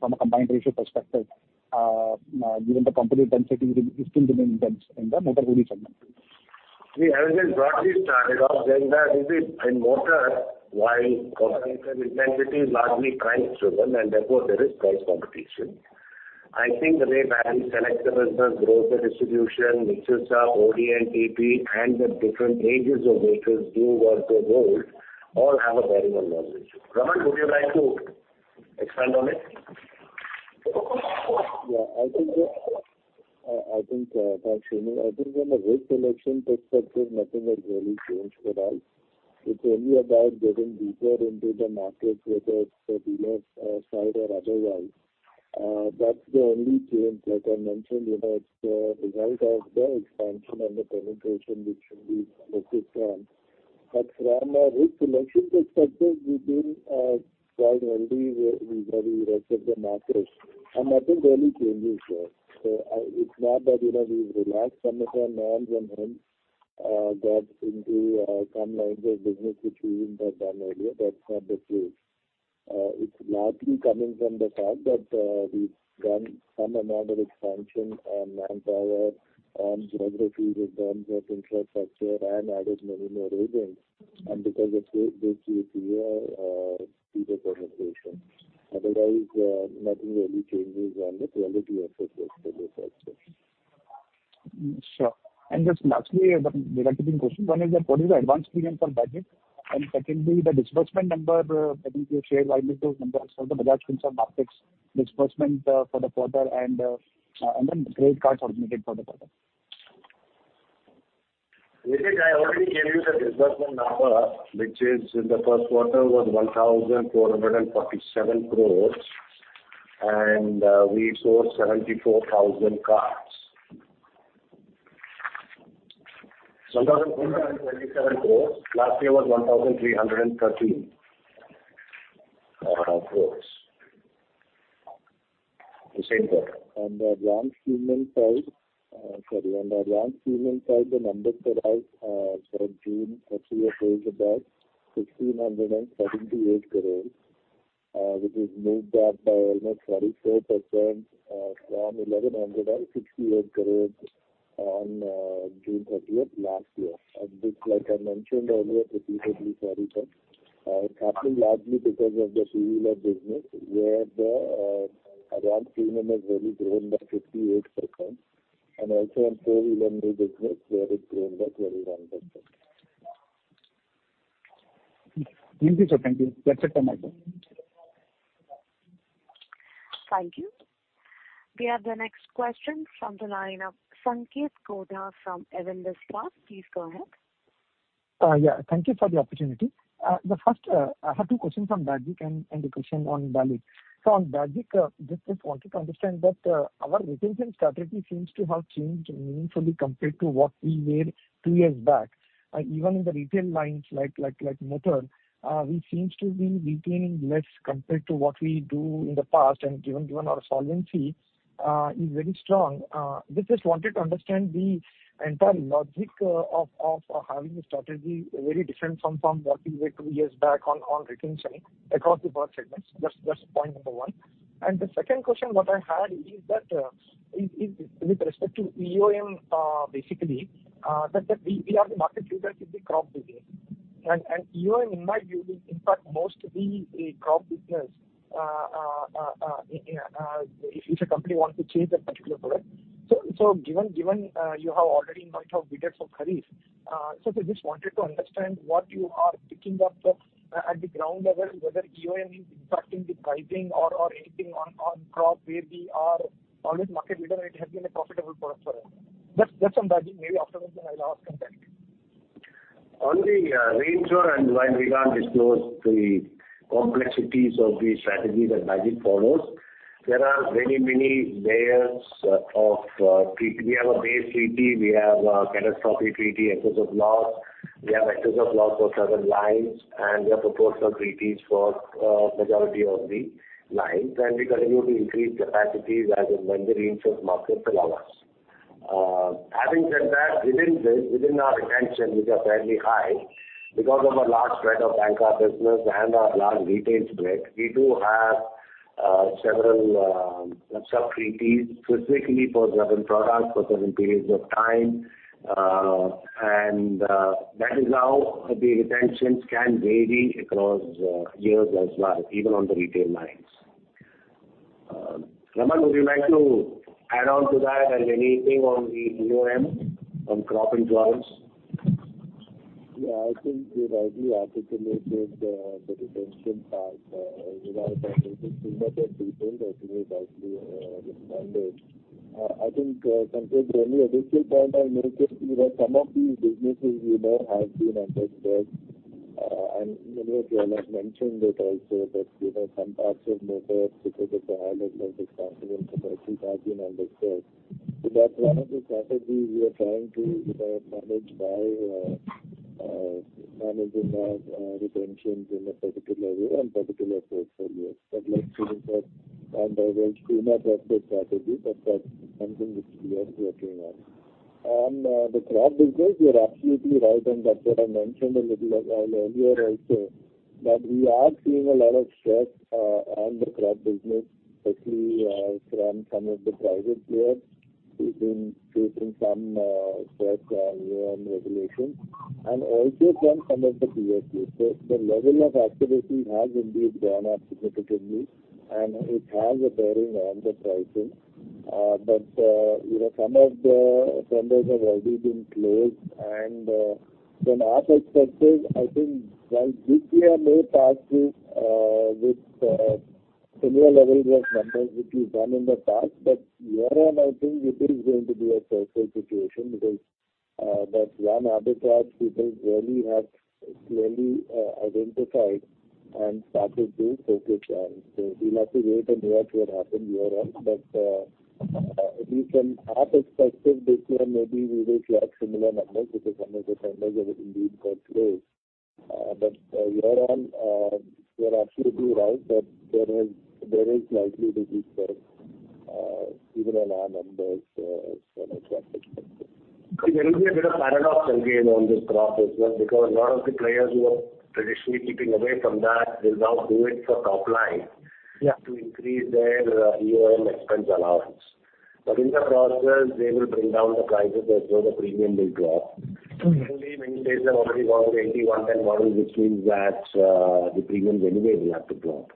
from a combined ratio perspective, given the company intensity is still remain intense in the motor OD segment? We have just broadly started off saying that in motor, while competition intensity is largely price driven and therefore there is price competition. I think the way Bajaj selects the business, grows the distribution, mixes up OD and TP, and the different ages of vehicles do what they hold, all have a very well knowledge. Raman, would you like to expand on it? Thanks, Sreeni. I think from a risk selection perspective, nothing has really changed at all. It's only about getting deeper into the markets, whether it's the dealer side or otherwise. That's the only change that I mentioned. You know, it's the result of the expansion and the penetration which we focused on. From a risk selection perspective, we've been quite early where we rest of the markets, and nothing really changes there. It's not that, you know, we've relaxed some of our norms and then got into some lines of business which we wouldn't have done earlier. That's not the case. It's largely coming from the fact that, we've done some amount of expansion on manpower, on geographies, in terms of infrastructure, and added many more agents, and because of this, we see a deeper penetration. Otherwise, nothing really changes on the quality aspect of this aspect. Sure. Just lastly, the related question. One is that, what is the advance premium for Bajaj? Secondly, the disbursement number, I think you shared widely those numbers for the Bajaj Finance markets, disbursement, for the quarter and then credit cards originated for the quarter. I already gave you the disbursement number, which is in the Q1 was 1,447 crore, and we sold 74,000 cards. 1,427 crore. Last year was 1,313 crore. The same here. The advance premium side, sorry, on the advance premium side, the numbers for us from June 30 is about 1,678 crores, which is moved up by almost 44% from 1,168 crores on June 30th last year. This, like I mentioned earlier, previously, sorry, but it happened largely because of the two-wheeler business, where the advance premium has really grown by 58%, and also on four-wheeler new business, where it's grown by 21%. Thank you, sir. Thank you. That's it for my part. Thank you. We have the next question from the line of Sanketh Godha from Edelweiss. Please go ahead. Thank you for the opportunity. The first, I have two questions on BAGIC and, and a question on BALIC. On BAGIC, just, just wanted to understand that our retention strategy seems to have changed meaningfully compared to what we were two years back. Even in the retail lines like, like, like motor, we seems to be retaining less compared to what we do in the past, and given, given our solvency is very strong. Just, just wanted to understand the entire logic of, of having a strategy very different from, from what we were two years back on, on retention across the board segments. That's, that's point number one. The second question what I had is that is with respect to OEM, basically, that we are the market leader in the crop business. OEM, in my view, is in fact most of the crop business if a company wants to change that particular product. Given, you have already in mind of bidders for Kharif, so I just wanted to understand what you are picking up at the ground level, whether OEM is impacting the pricing or anything on crop, where we are always market leader, it has been a profitable product for us. Just on BAGIC, maybe after that I'll ask on that. On the reinsurer and while we don't disclose the complexities of the strategy that BAGIC follows, there are many, many layers of, we have a base treaty, we have a catastrophic treaty, excess of loss, we have excess of loss for certain lines, and we have proportional treaties for majority of the lines, and we continue to increase capacities as and when the reinsurers' markets allow us. Having said that, within this, within our retention, which are fairly high. Because of our large spread of banker business and our large retail spread, we do have several sub-treaties specifically for certain products for certain periods of time. And that is how the retentions can vary across years as well, even on the retail lines. Raman, would you like to add on to that and anything on the EoM, on crop insurance? I think you rightly articulated, the retention part. I think, compared to any additional point I made, just, you know, some of these businesses, you know, have been under stress. Many of you all have mentioned it also, that, you know, some parts of motor, because of the high level of expenses, have been under stress. That's one of the strategies we are trying to, you know, manage by, managing our, retentions in a particular way and particular portfolios. Like, on average, we not have that strategy, but that's something which we are working on. On the crop business, you're absolutely right, and that's what I mentioned a little while earlier also, that we are seeing a lot of stress on the crop business, especially from some of the private players who've been facing some stress on regulation and also from some of the PSUs. The level of activity has indeed gone up significantly, and it has a bearing on the pricing. But, you know, some of the tenders have already been closed, and from our perspective, I think while this year may pass with similar level of numbers, which we've done in the past, but year on, I think it is going to be a circular situation because that one arbitrage people really have clearly identified and started doing focus on. We'll have to wait and watch what happens year on. We can, from our perspective, this year, maybe we will have similar numbers because some of the tenders have indeed got closed. Year on, you're absolutely right, that there is, there is likely to be stress, even on our numbers, from a traffic perspective. There will be a bit of paradox again on this crop business, because a lot of the players who are traditionally keeping away from that will now do it for top line. Yeah. to increase their EoM expense allowance. In the process, they will bring down the prices, and so the premium will drop. Mm-hmm. Many players have already gone to the 80/110 model, which means that the premiums anyway will have to drop.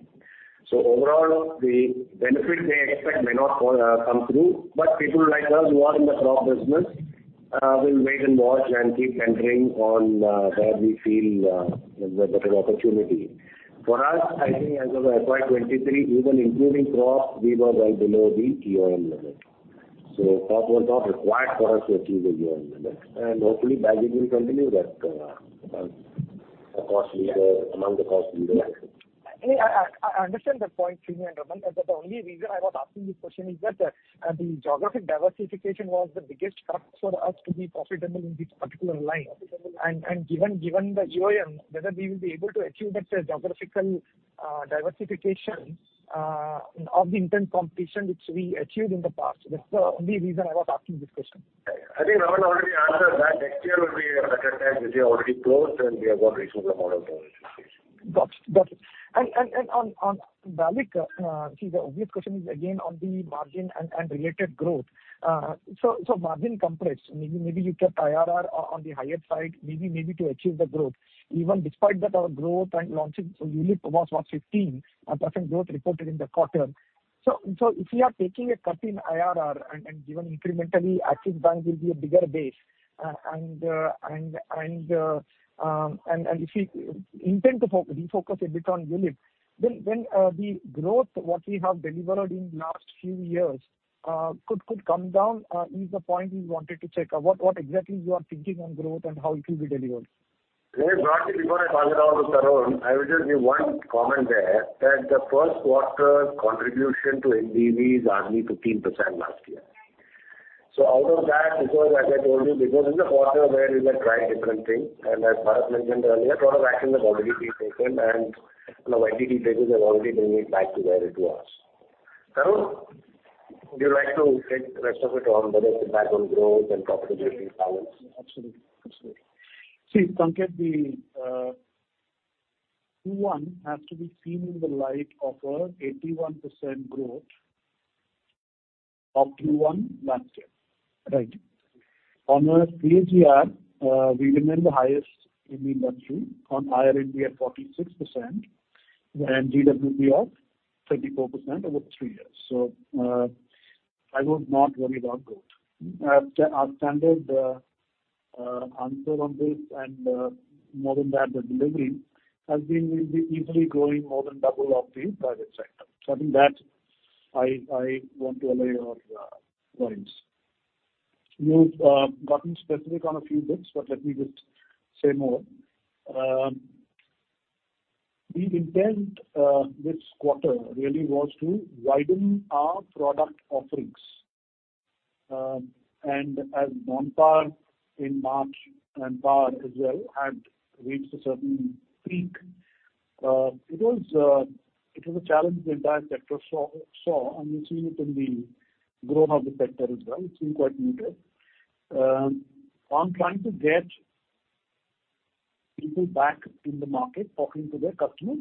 Overall, the benefit they expect may not fall, come through, but people like us who are in the crop business, will wait and watch and keep entering on, where we feel, there's a better opportunity. For us, I think as of FY 23, even including crop, we were well below the EoM limit, so crop was not required for us to achieve the EoM limit. Hopefully, the will continue that, a cost leader, among the cost leaders. I understand that point, Sreeni and Raman, but the only reason I was asking this question is that the geographic diversification was the biggest factor for us to be profitable in this particular line. Given the EoM, whether we will be able to achieve that geographical diversification of the intent competition which we achieved in the past. That's the only reason I was asking this question. I think Raman already answered that next year will be a better time, which we have already closed, and we have got reasonable model participation. Got you. On, on BALIC, see, the obvious question is again on the margin and, and related growth. Margin compress, maybe, maybe you kept IRR on the higher side, maybe, maybe to achieve the growth. Even despite that, our growth and launches for ULIP was what, 15% growth reported in the quarter. If you are taking a cut in IRR and, and given incrementally, Axis Bank will be a bigger base. And, and, and, and if you intend to refocus a bit on ULIP, then, then, the growth what we have delivered in last few years, could, could come down, is the point we wanted to check. What, what exactly you are thinking on growth and how it will be delivered? Before I pass it on to Tarun, I would just give one comment there, that the Q1 contribution to NBV is already 15% last year. Out of that, because as I told you, because it's a quarter where we were trying different things, and as Bharat mentioned earlier, a lot of actions have already been taken, and now IT details are already bringing it back to where it was. Tarun, would you like to take the rest of it on, whether it's back on growth and profitability balance? Absolutely. See, Sanket, the Q1 has to be seen in the light of a 81% growth of Q1 last year. Right. On our CSR, we remain the highest in the industry, on IRNB at 46% and GWP of 34% over three years. I would not worry about growth. Our standard answer on this and more than that, the delivery has been, we'll be easily growing more than double of the private sector. I think that I, I want to allay your worries. You've gotten specific on a few bits, but let me just say more. The intent this quarter really was to widen our product offerings. As Non-PAR in March and PAR as well, had reached a certain peak.t was a challenge the entire sector saw, saw, and we've seen it in the growth of the sector as well. It's been quite muted. I'm trying to get people back in the market talking to their customers.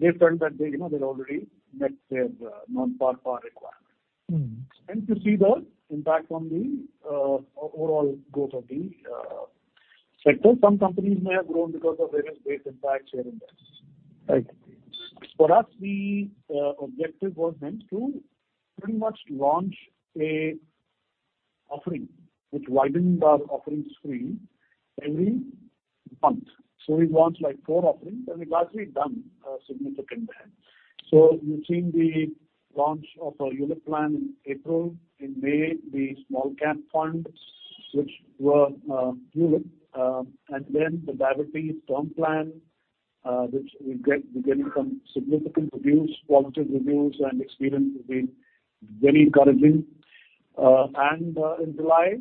They felt that they, you know, they've already met their Non-PAR, PAR requirement. Mm-hmm. You see the impact on the overall growth of the sector. Some companies may have grown because of various base impacts here and there. Right. For us, the objective was then to pretty much launch a offering which widened our offering screen every month. We launched, like, 4 offerings, and we've actually done significant there. You've seen the launch of our unit plan in April. In May, the small cap funds which were unit, and then the direct pay term plan, which we're getting some significant reviews, positive reviews, and experience has been very encouraging. In July,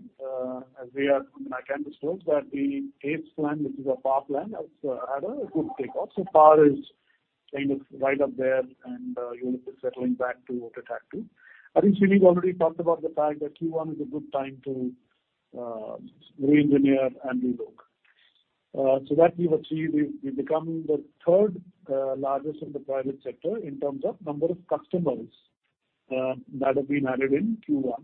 as we are, I can disclose that the case plan, which is a PAR plan, has had a good takeoff. PAR is kind of right up there, and unit is settling back to what it had to. I think Sunil already talked about the fact that Q1 is a good time to reengineer and rework. That we've achieved. We've become the 3rd largest in the private sector in terms of number of customers that have been added in Q1.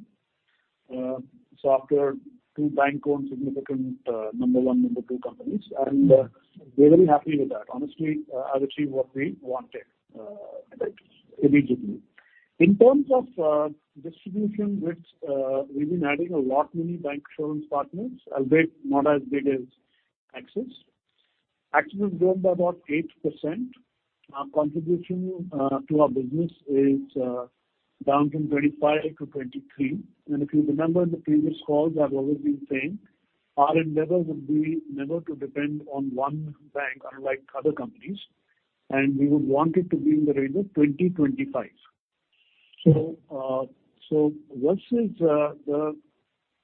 After 2 bank-owned significant number 1, number 2 companies, we're very happy with that. Honestly, I've achieved what we wanted immediately. In terms of distribution width, we've been adding a lot many bank insurance partners, albeit not as big as Axis. Axis has grown by about 8%. Our contribution to our business is down from 25 to 23. If you remember in the previous calls, I've always been saying our endeavor would be never to depend on 1 bank, unlike other companies, and we would want it to be in the range of 20-25. versus the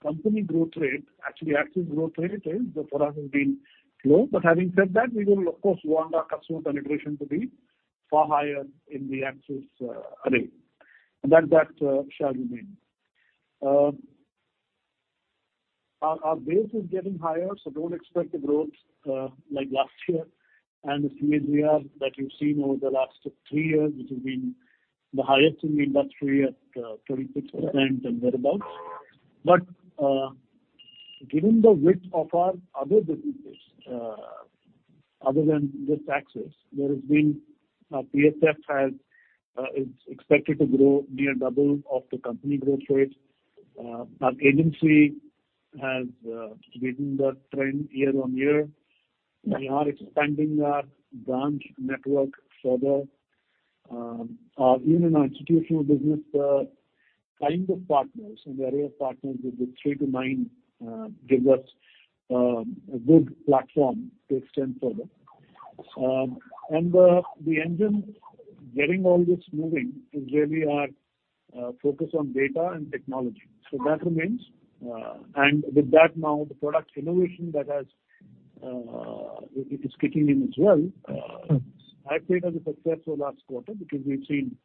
company growth rate, actually Axis growth rate is, for us, has been low. But having said that, we will of course want our customer penetration to be far higher in the Axis array, and that, that shall remain. Our, our base is getting higher, so don't expect the growth like last year and the CAGR that you've seen over the last three years, which has been the highest in the industry at 26% and whereabouts. But given the width of our other businesses, other than just Axis, there has been PSF has is expected to grow near double of the company growth rate. Our agency has given the trend year on year. We are expanding our branch network further. Even our institutional business, kind of partners and area of partners with the 3 to 9, give us a good platform to extend further. The engine getting all this moving is really our focus on data and technology. That remains. With that, now the product innovation that has is kicking in as well, I'd say it was a success for last quarter, because we've seen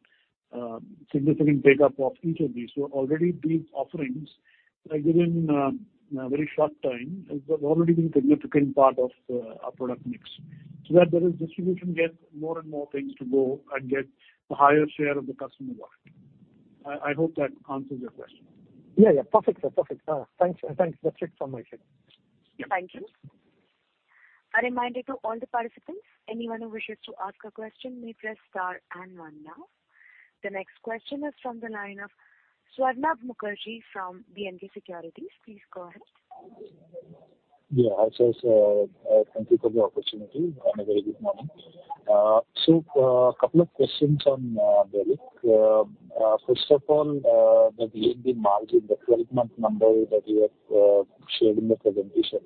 significant take-up of each of these. Already these offerings, like within a very short time, has already been a significant part of our product mix. That there is distribution get more and more things to go and get a higher share of the customer wallet. I hope that answers your question. Perfect, sir. Perfect. Thanks, thanks. That's it from my side. Thank you. A reminder to all the participants, anyone who wishes to ask a question, may press star and one now. Th e next question is from the line of Swarnabha Mukherjee from B&K Securities. Please go ahead. Hi, sir. Thank you for the opportunity and a very good morning. A couple of questions on Relic. First of all, the VNB margin, the 12-month number that you have shared in the presentation.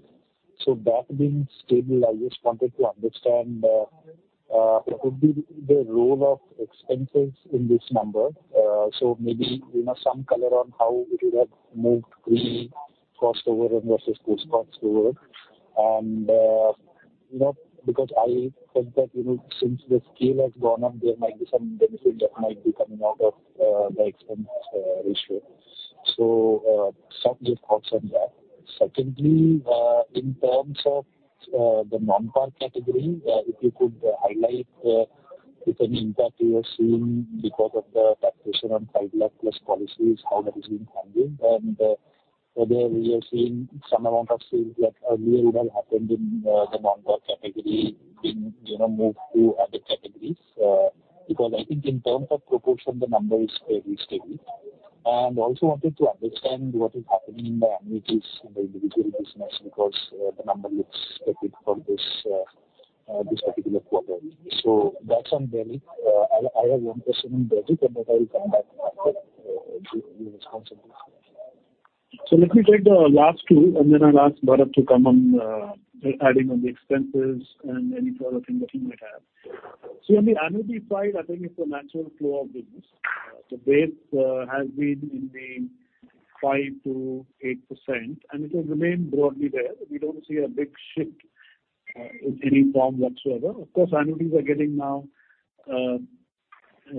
That being stable, I just wanted to understand, could be the role of expenses in this number. Maybe, you know, some color on how it would have moved really cost over and versus post-cost over. You know, because I felt that, you know, since the scale has gone up, there might be some benefits that might be coming out of the expense ratio. Some just thoughts on that. Secondly, in terms of the Non-PAR category, if you could highlight if any impact you are seeing because of the taxation on 5 lakh plus policies, how that is being handled. Whether we are seeing some amount of sales that earlier would have happened in the Non-PAR category being, you know, moved to other categories. Because I think in terms of proportion, the number is very steady. Also wanted to understand what is happening in the annuities and the individual business, because the number looks expected for this particular quarter. So that's on Relic. I, I have one question on Relic, and then I'll come back after your response on this. Let me take the last two, and then I'll ask Bharat to come on, adding on the expenses and any further thing that he might have. On the annuity side, I think it's a natural flow of business. The base has been in the 5%-8%, and it will remain broadly there. We don't see a big shift in any form whatsoever. Of course, annuities are getting now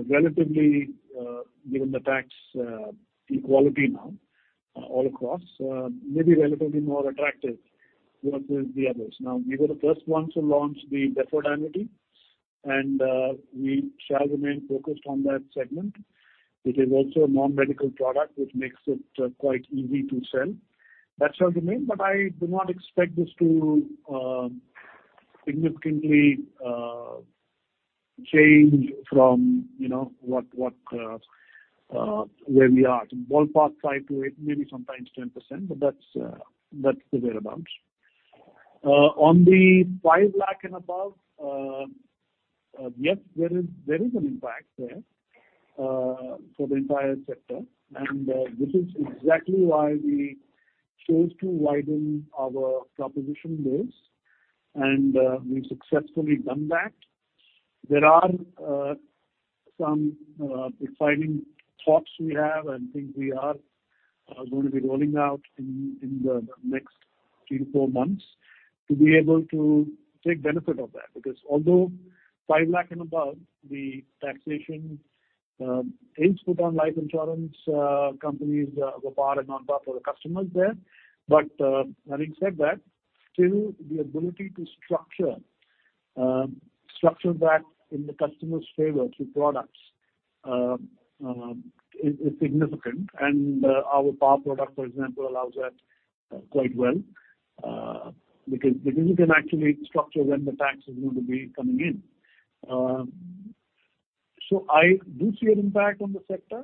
relatively, given the tax equality now all across, maybe relatively more attractive versus the others. Now, we were the first ones to launch the deferred annuity, and we shall remain focused on that segment, which is also a non-medical product, which makes it quite easy to sell. That shall remain, but I do not expect this to significantly change from, you know, what, what, where we are. To ballpark 5 to 8, maybe sometimes 10%, but that's the whereabouts. On the 5 lakh and above, yes, there is, there is an impact there for the entire sector, and this is exactly why we chose to widen our proposition base, and we've successfully done that. There are some refining thoughts we have, and I think we are going to be rolling out in the next 3 to 4 months to be able to take benefit of that. Although 5 lakh and above, the taxation is put on life insurance companies, were part and not part for the customers there. Having said that, still, the ability to structure, structure that in the customer's favor through products, is significant. Our power product, for example, allows that quite well, because, because you can actually structure when the tax is going to be coming in. I do see an impact on the sector,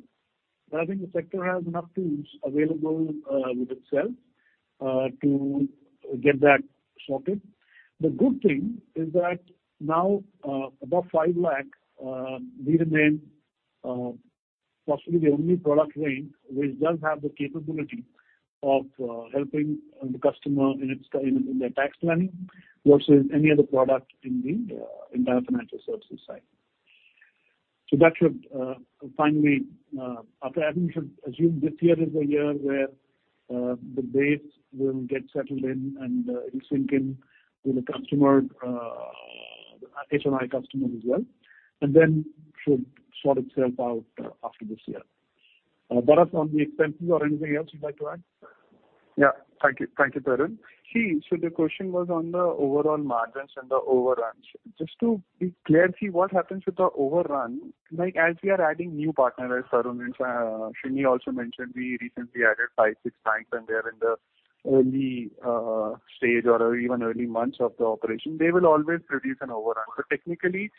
but I think the sector has enough tools available with itself to get that sorted. The good thing is that now, above 5 lakh, we remain possibly the only product range which does have the capability of helping the customer in its, in, in their tax planning versus any other product in the entire financial services side. That should finally, after I think we should assume this year is a year where the base will get settled in and it'll sink in with the customer, HNI customer as well, and then should sort itself out after this year. Bharat, on the expenses or anything else you'd like to add? Thank you, Tarun Chugh. The question was on the overall margins and the overruns. Just to be clear, what happens with the overrun, like, as we are adding new partners, as Tarun Chugh and Sreeni also mentioned, we recently added five, six banks, and they are in the early stage or even early months of the operation. They will always produce an overrun. Technically,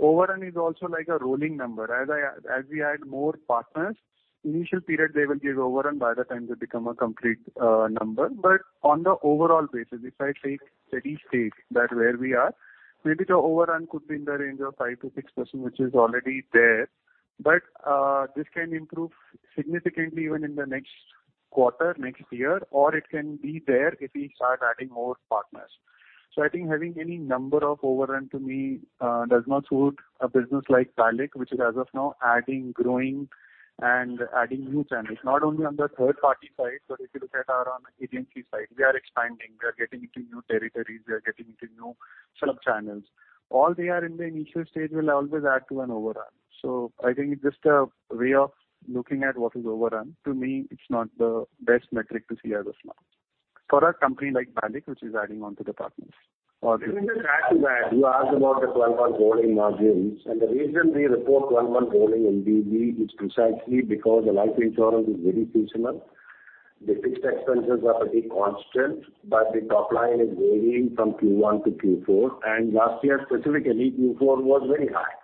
overrun is also like a rolling number. As we add more partners, initial period, they will give overrun by the time they become a complete number. On the overall basis, if I take steady state that where we are, maybe the overrun could be in the range of 5-6%, which is already there. This can improve significantly even in the next quarter, next year, or it can be there if we start adding more partners. I think having any number of overrun to me, does not suit a business like LIC, which is as of now adding, growing and adding new channels, not only on the third-party side, but if you look at our on agency side, we are expanding. We are getting into new territories, we are getting into new sub-channels. All we are in the initial stage will always add to an overrun. I think it's just a way of looking at what is overrun. To me, it's not the best metric to see as of now for a company like LIC, which is adding on to the partners. Let me just add to that. You asked about the 12-month rolling margins. The reason we report 12-month rolling NBP is precisely because the life insurance is very seasonal. The fixed expenses are pretty constant, the top line is varying from Q1 to Q4. Last year, specifically, Q4 was very high.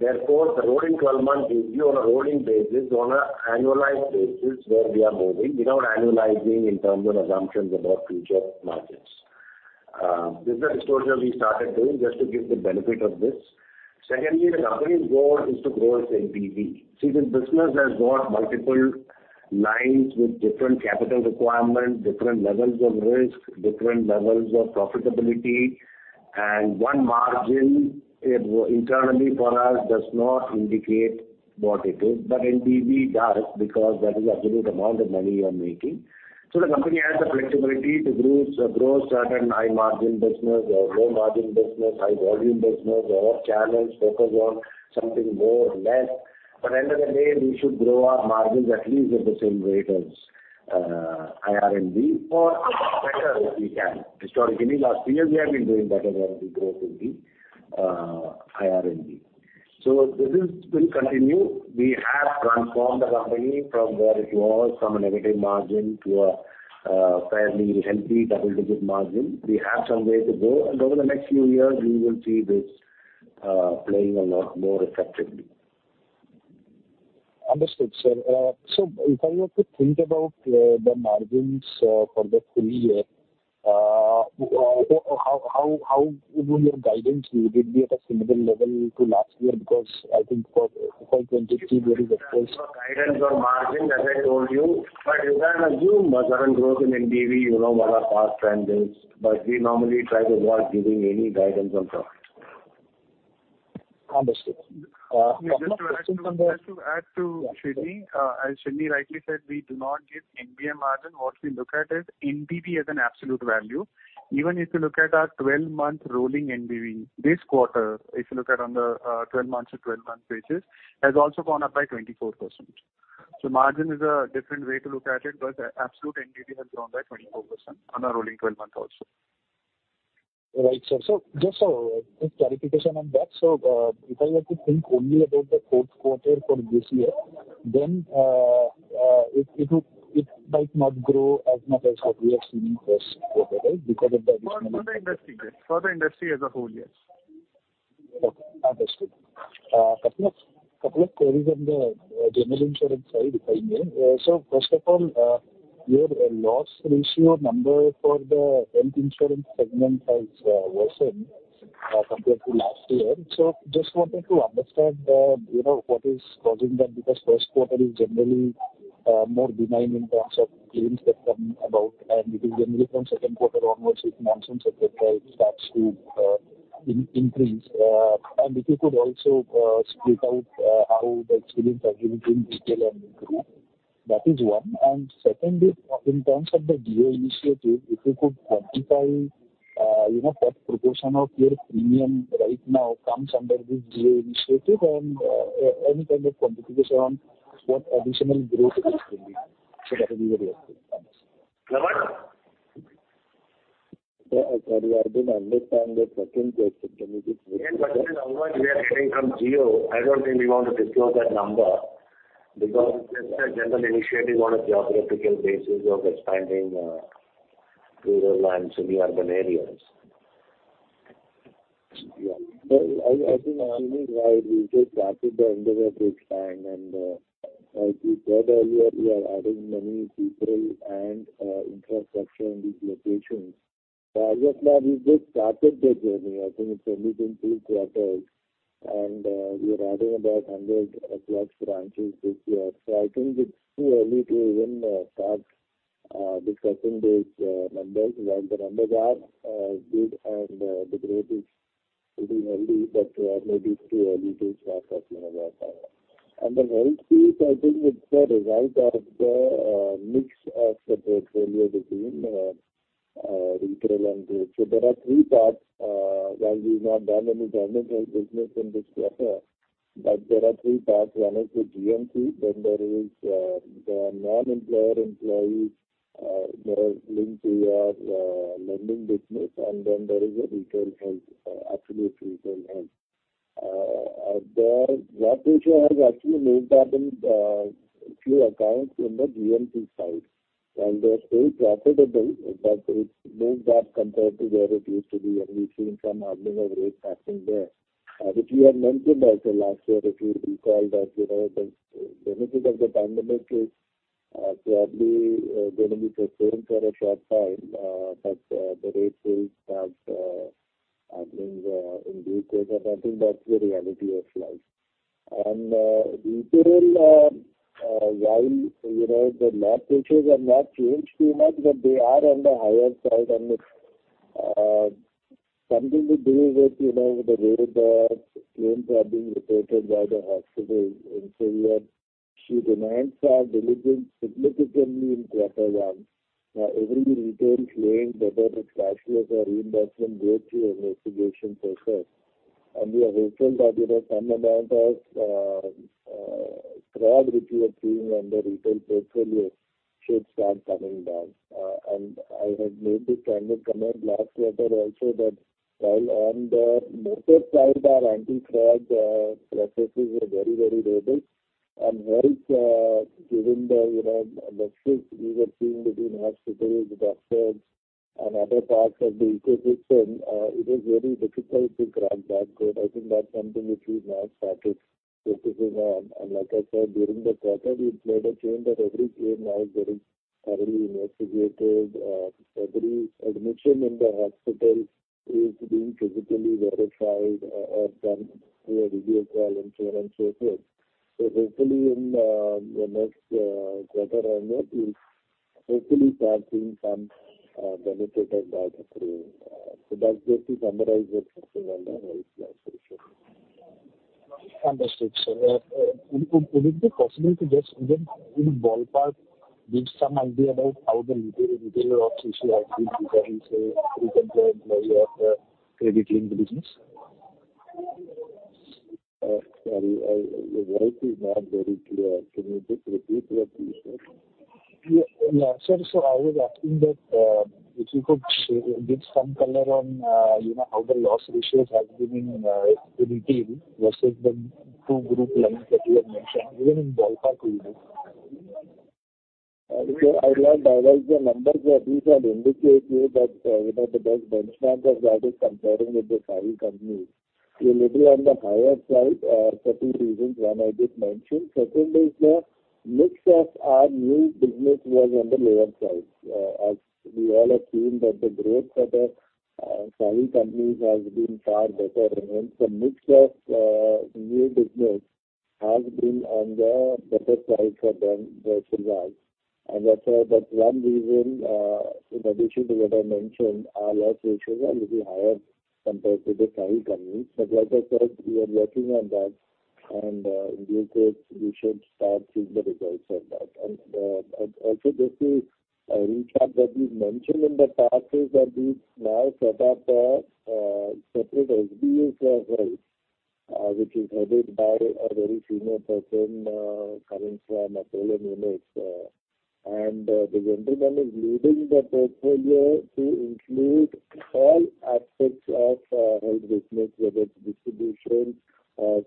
Therefore, the rolling 12-month is view on a rolling basis, on an annualized basis, where we are moving without annualizing in terms of assumptions about future margins. This is a distortion we started doing just to give the benefit of this. Secondly, the company's goal is to grow its NBV. See, the business has got multiple lines with different capital requirements, different levels of risk, different levels of profitability. One margin, internally for us, does not indicate what it is. NBV does, because that is the absolute amount of money you are making. The company has the flexibility to grow, grow certain high-margin business or low-margin business, high-volume business or channels, focus on something more or less. End of the day, we should grow our margins at least at the same rate as IRNB or better if we can. Historically, last year, we have been doing better than the growth in the IRNB. This is will continue. We have transformed the company from where it was, from a negative margin to a fairly healthy double-digit margin. We have some way to go, and over the next few years, you will see this playing a lot more effectively. Understood, sir. If I were to think about the margins for the full year, how will your guidance would it be at a similar level to last year? Because I think for 22, there is, of course- Guidance on margin, as I told you, but you can assume a certain growth in NBV, you know, what our past trend is, but we normally try to avoid giving any guidance on product. Understood. Couple of questions on the- Just to add to, just to add to Sreeni, as Sreeni rightly said, we do not give NBM margin. What we look at is NDP as an absolute value. Even if you look at our 12-month rolling VNB, this quarter, if you look at on the, 12 months to 12 months basis, has also gone up by 24%. Margin is a different way to look at it, but the absolute VNB has grown by 24% on a rolling 12 month also. Right, sir. Just a, a clarification on that. If I had to think only about the Q3 for this year, then, it might not grow as much as what we are seeing Q1, right? Because of the additional- For the industry, for the industry as a whole, yes. Okay, understood. Couple of, couple of queries on the general insurance side, if I may. First of all, your loss ratio number for the health insurance segment has worsened compared to last year. Just wanted to understand, you know, what is causing that, because Q1 is generally more benign in terms of claims that come about, and it is generally from Q2 onwards, with monsoons, et cetera, it starts to increase. If you could also split out how the experience has been in detail and improve. That is one. Secondly, in terms of the GA initiative, if you could quantify, you know, what proportion of your premium right now comes under this GA initiative and any kind of quantification on what additional growth it is bringing. That will be very helpful. Thanks. Tapan? Sir, I sorry, I didn't understand the second question. Can you just repeat it? Yes, Nava, we are getting from Geo. I don't think we want to disclose that number, because it's a general initiative on a geographical basis of expanding rural and semi-urban areas. I Tapan, we just started the underwater stand, and like you said earlier, we are adding many people and infrastructure in these locations. I just thought we just started the journey. I think it's only been 3 quarters, and we are adding about 100+ branches this year. I think it's too early to even start discussing these numbers. While the numbers are good and the growth is pretty early, but maybe it's too early to start talking about that. The health piece, I think it's the result of the mix of the portfolio between retail and trade. There are 3 parts, while we've not done any damage or business in this quarter, but there are 3 parts. One is the GMC, then there is the non-employer employees that are linked to our lending business, and then there is a retail health, absolute retail health. The loss ratios have actually made that in few accounts from the GMC side, and they're still profitable, but it's moved back compared to where it used to be, and we've seen some hardening of rates happening there. Which you had mentioned also last year, if you recall, that, you know, the benefit of the pandemic is probably going to be the same for a short time, but the rates will start happening in due course, and I think that's the reality of life. Retail, while, you know, the loss ratios have not changed too much, but they are on the higher side, and it's something to do with, you know, the way the claims are being reported by the hospitals. We have seenemands have increased significantly in quarter 1. Every retail claim, whether it's cashless or reimbursement, goes through an investigation process. We are hopeful that, you know, some amount of fraud which we are seeing on the retail portfolio should start coming down. I had made this candid comment last quarter also that while on the motor side, our anti-fraud processes were very, very robust, and while, given the, you know, the shift we were seeing between hospitals, doctors and other parts of the ecosystem, it was very difficult to crack that code. I think that's something which we've now started focusing on. Like I said, during the quarter, we played a chain that every claim now getting thoroughly investigated, every admission in the hospital is being physically verified or, or done through a video call and so on so forth. Hopefully in, the next, quarter on that, we'll hopefully start seeing some, benefit of that through. That's just to summarize what's going on in health association. Understood, sir. Would it be possible to just even in ballpark, give some idea about how the retail ops issue has been, because you say, you can play employee of the credit link business? Sorry, your voice is not very clear. Can you just repeat what you said? Sir, I was asking that, if you could give some color on, you know, how the loss ratios have been in retail versus the 2 group lengths that you have mentioned, even in ballpark figures? I will not divulge the numbers at least and indicate to you that, you know, the best benchmarks of that is comparing with the 5 companies. We may be on the higher side, for 2 reasons. One, I just mentioned. Secondly, is the mix of our new business was on the lower side. As we all have seen that the growth for the 5 companies has been far better, and the mix of new business has been on the better side for them, for Bajaj. That's, that's 1 reason, in addition to what I mentioned, our loss ratios are little higher compared to the 5 companies. Like I said, we are working on that, and in due course, we should start seeing the results of that. Also just to recap what we've mentioned in the past is that we've now set up a separate HAT cell, which is headed by a very senior person, coming from Apollo Munich. The gentleman is leading the portfolio to include all aspects of health business, whether it's distribution,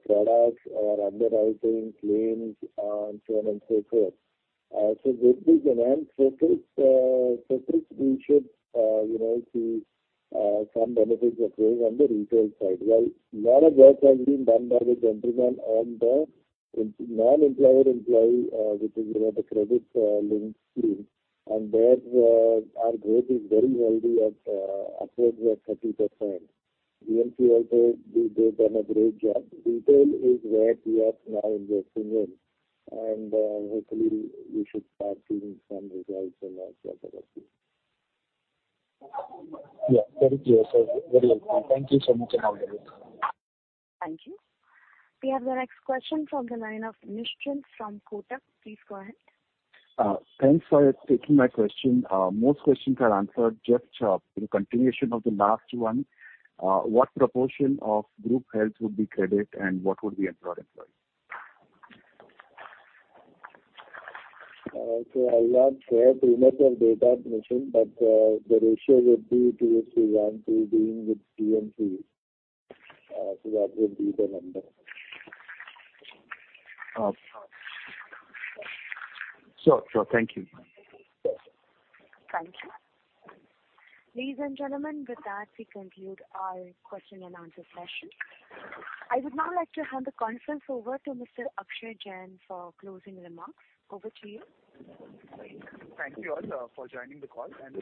products or underwriting, claims, and so on and so forth. With this demand focus, focus, we should, you know, see some benefits occurring on the retail side. Well, lot of work has been done by the gentleman on the in-non-employer employee, which is, you know, the credit link scheme. There, our growth is very healthy at upwards of 30%. DMS also, they've done a great job. Retail is where we are now investing in, and, hopefully we should start seeing some results in that quarter as well. Yeah, thank you. Very welcome. Thank you so much again. Thank you. We have the next question from the line of Nishant Shah from Kotak. Please go ahead. Thanks for taking my question. Most questions are answered. Just, in continuation of the last one, what proportion of group health would be credit and what would be employer-employee? I won't share too much of data, Nishant, but the ratio would be 2 is to 1 to dealing with DMS. That would be the number. Sure, sure. Thank you. Yes. Thank you. Ladies and gentlemen, with that, we conclude our question and answer session. I would now like to hand the conference over to Mr. Akash Jain for closing remarks. Over to you. Thank you all for joining the call and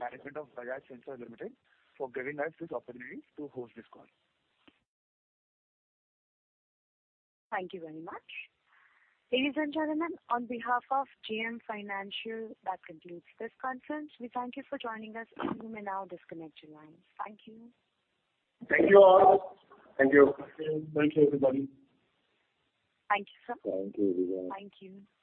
management of Bajaj Finserv Limited for giving us this opportunity to host this call. Thank you very much. Ladies and gentlemen, on behalf of JM Financial, that concludes this conference. We thank you for joining us, and you may now disconnect your lines. Thank you. Thank you all. Thank you. everybody. Thank you, sir. Thank you, everyone. Thank you.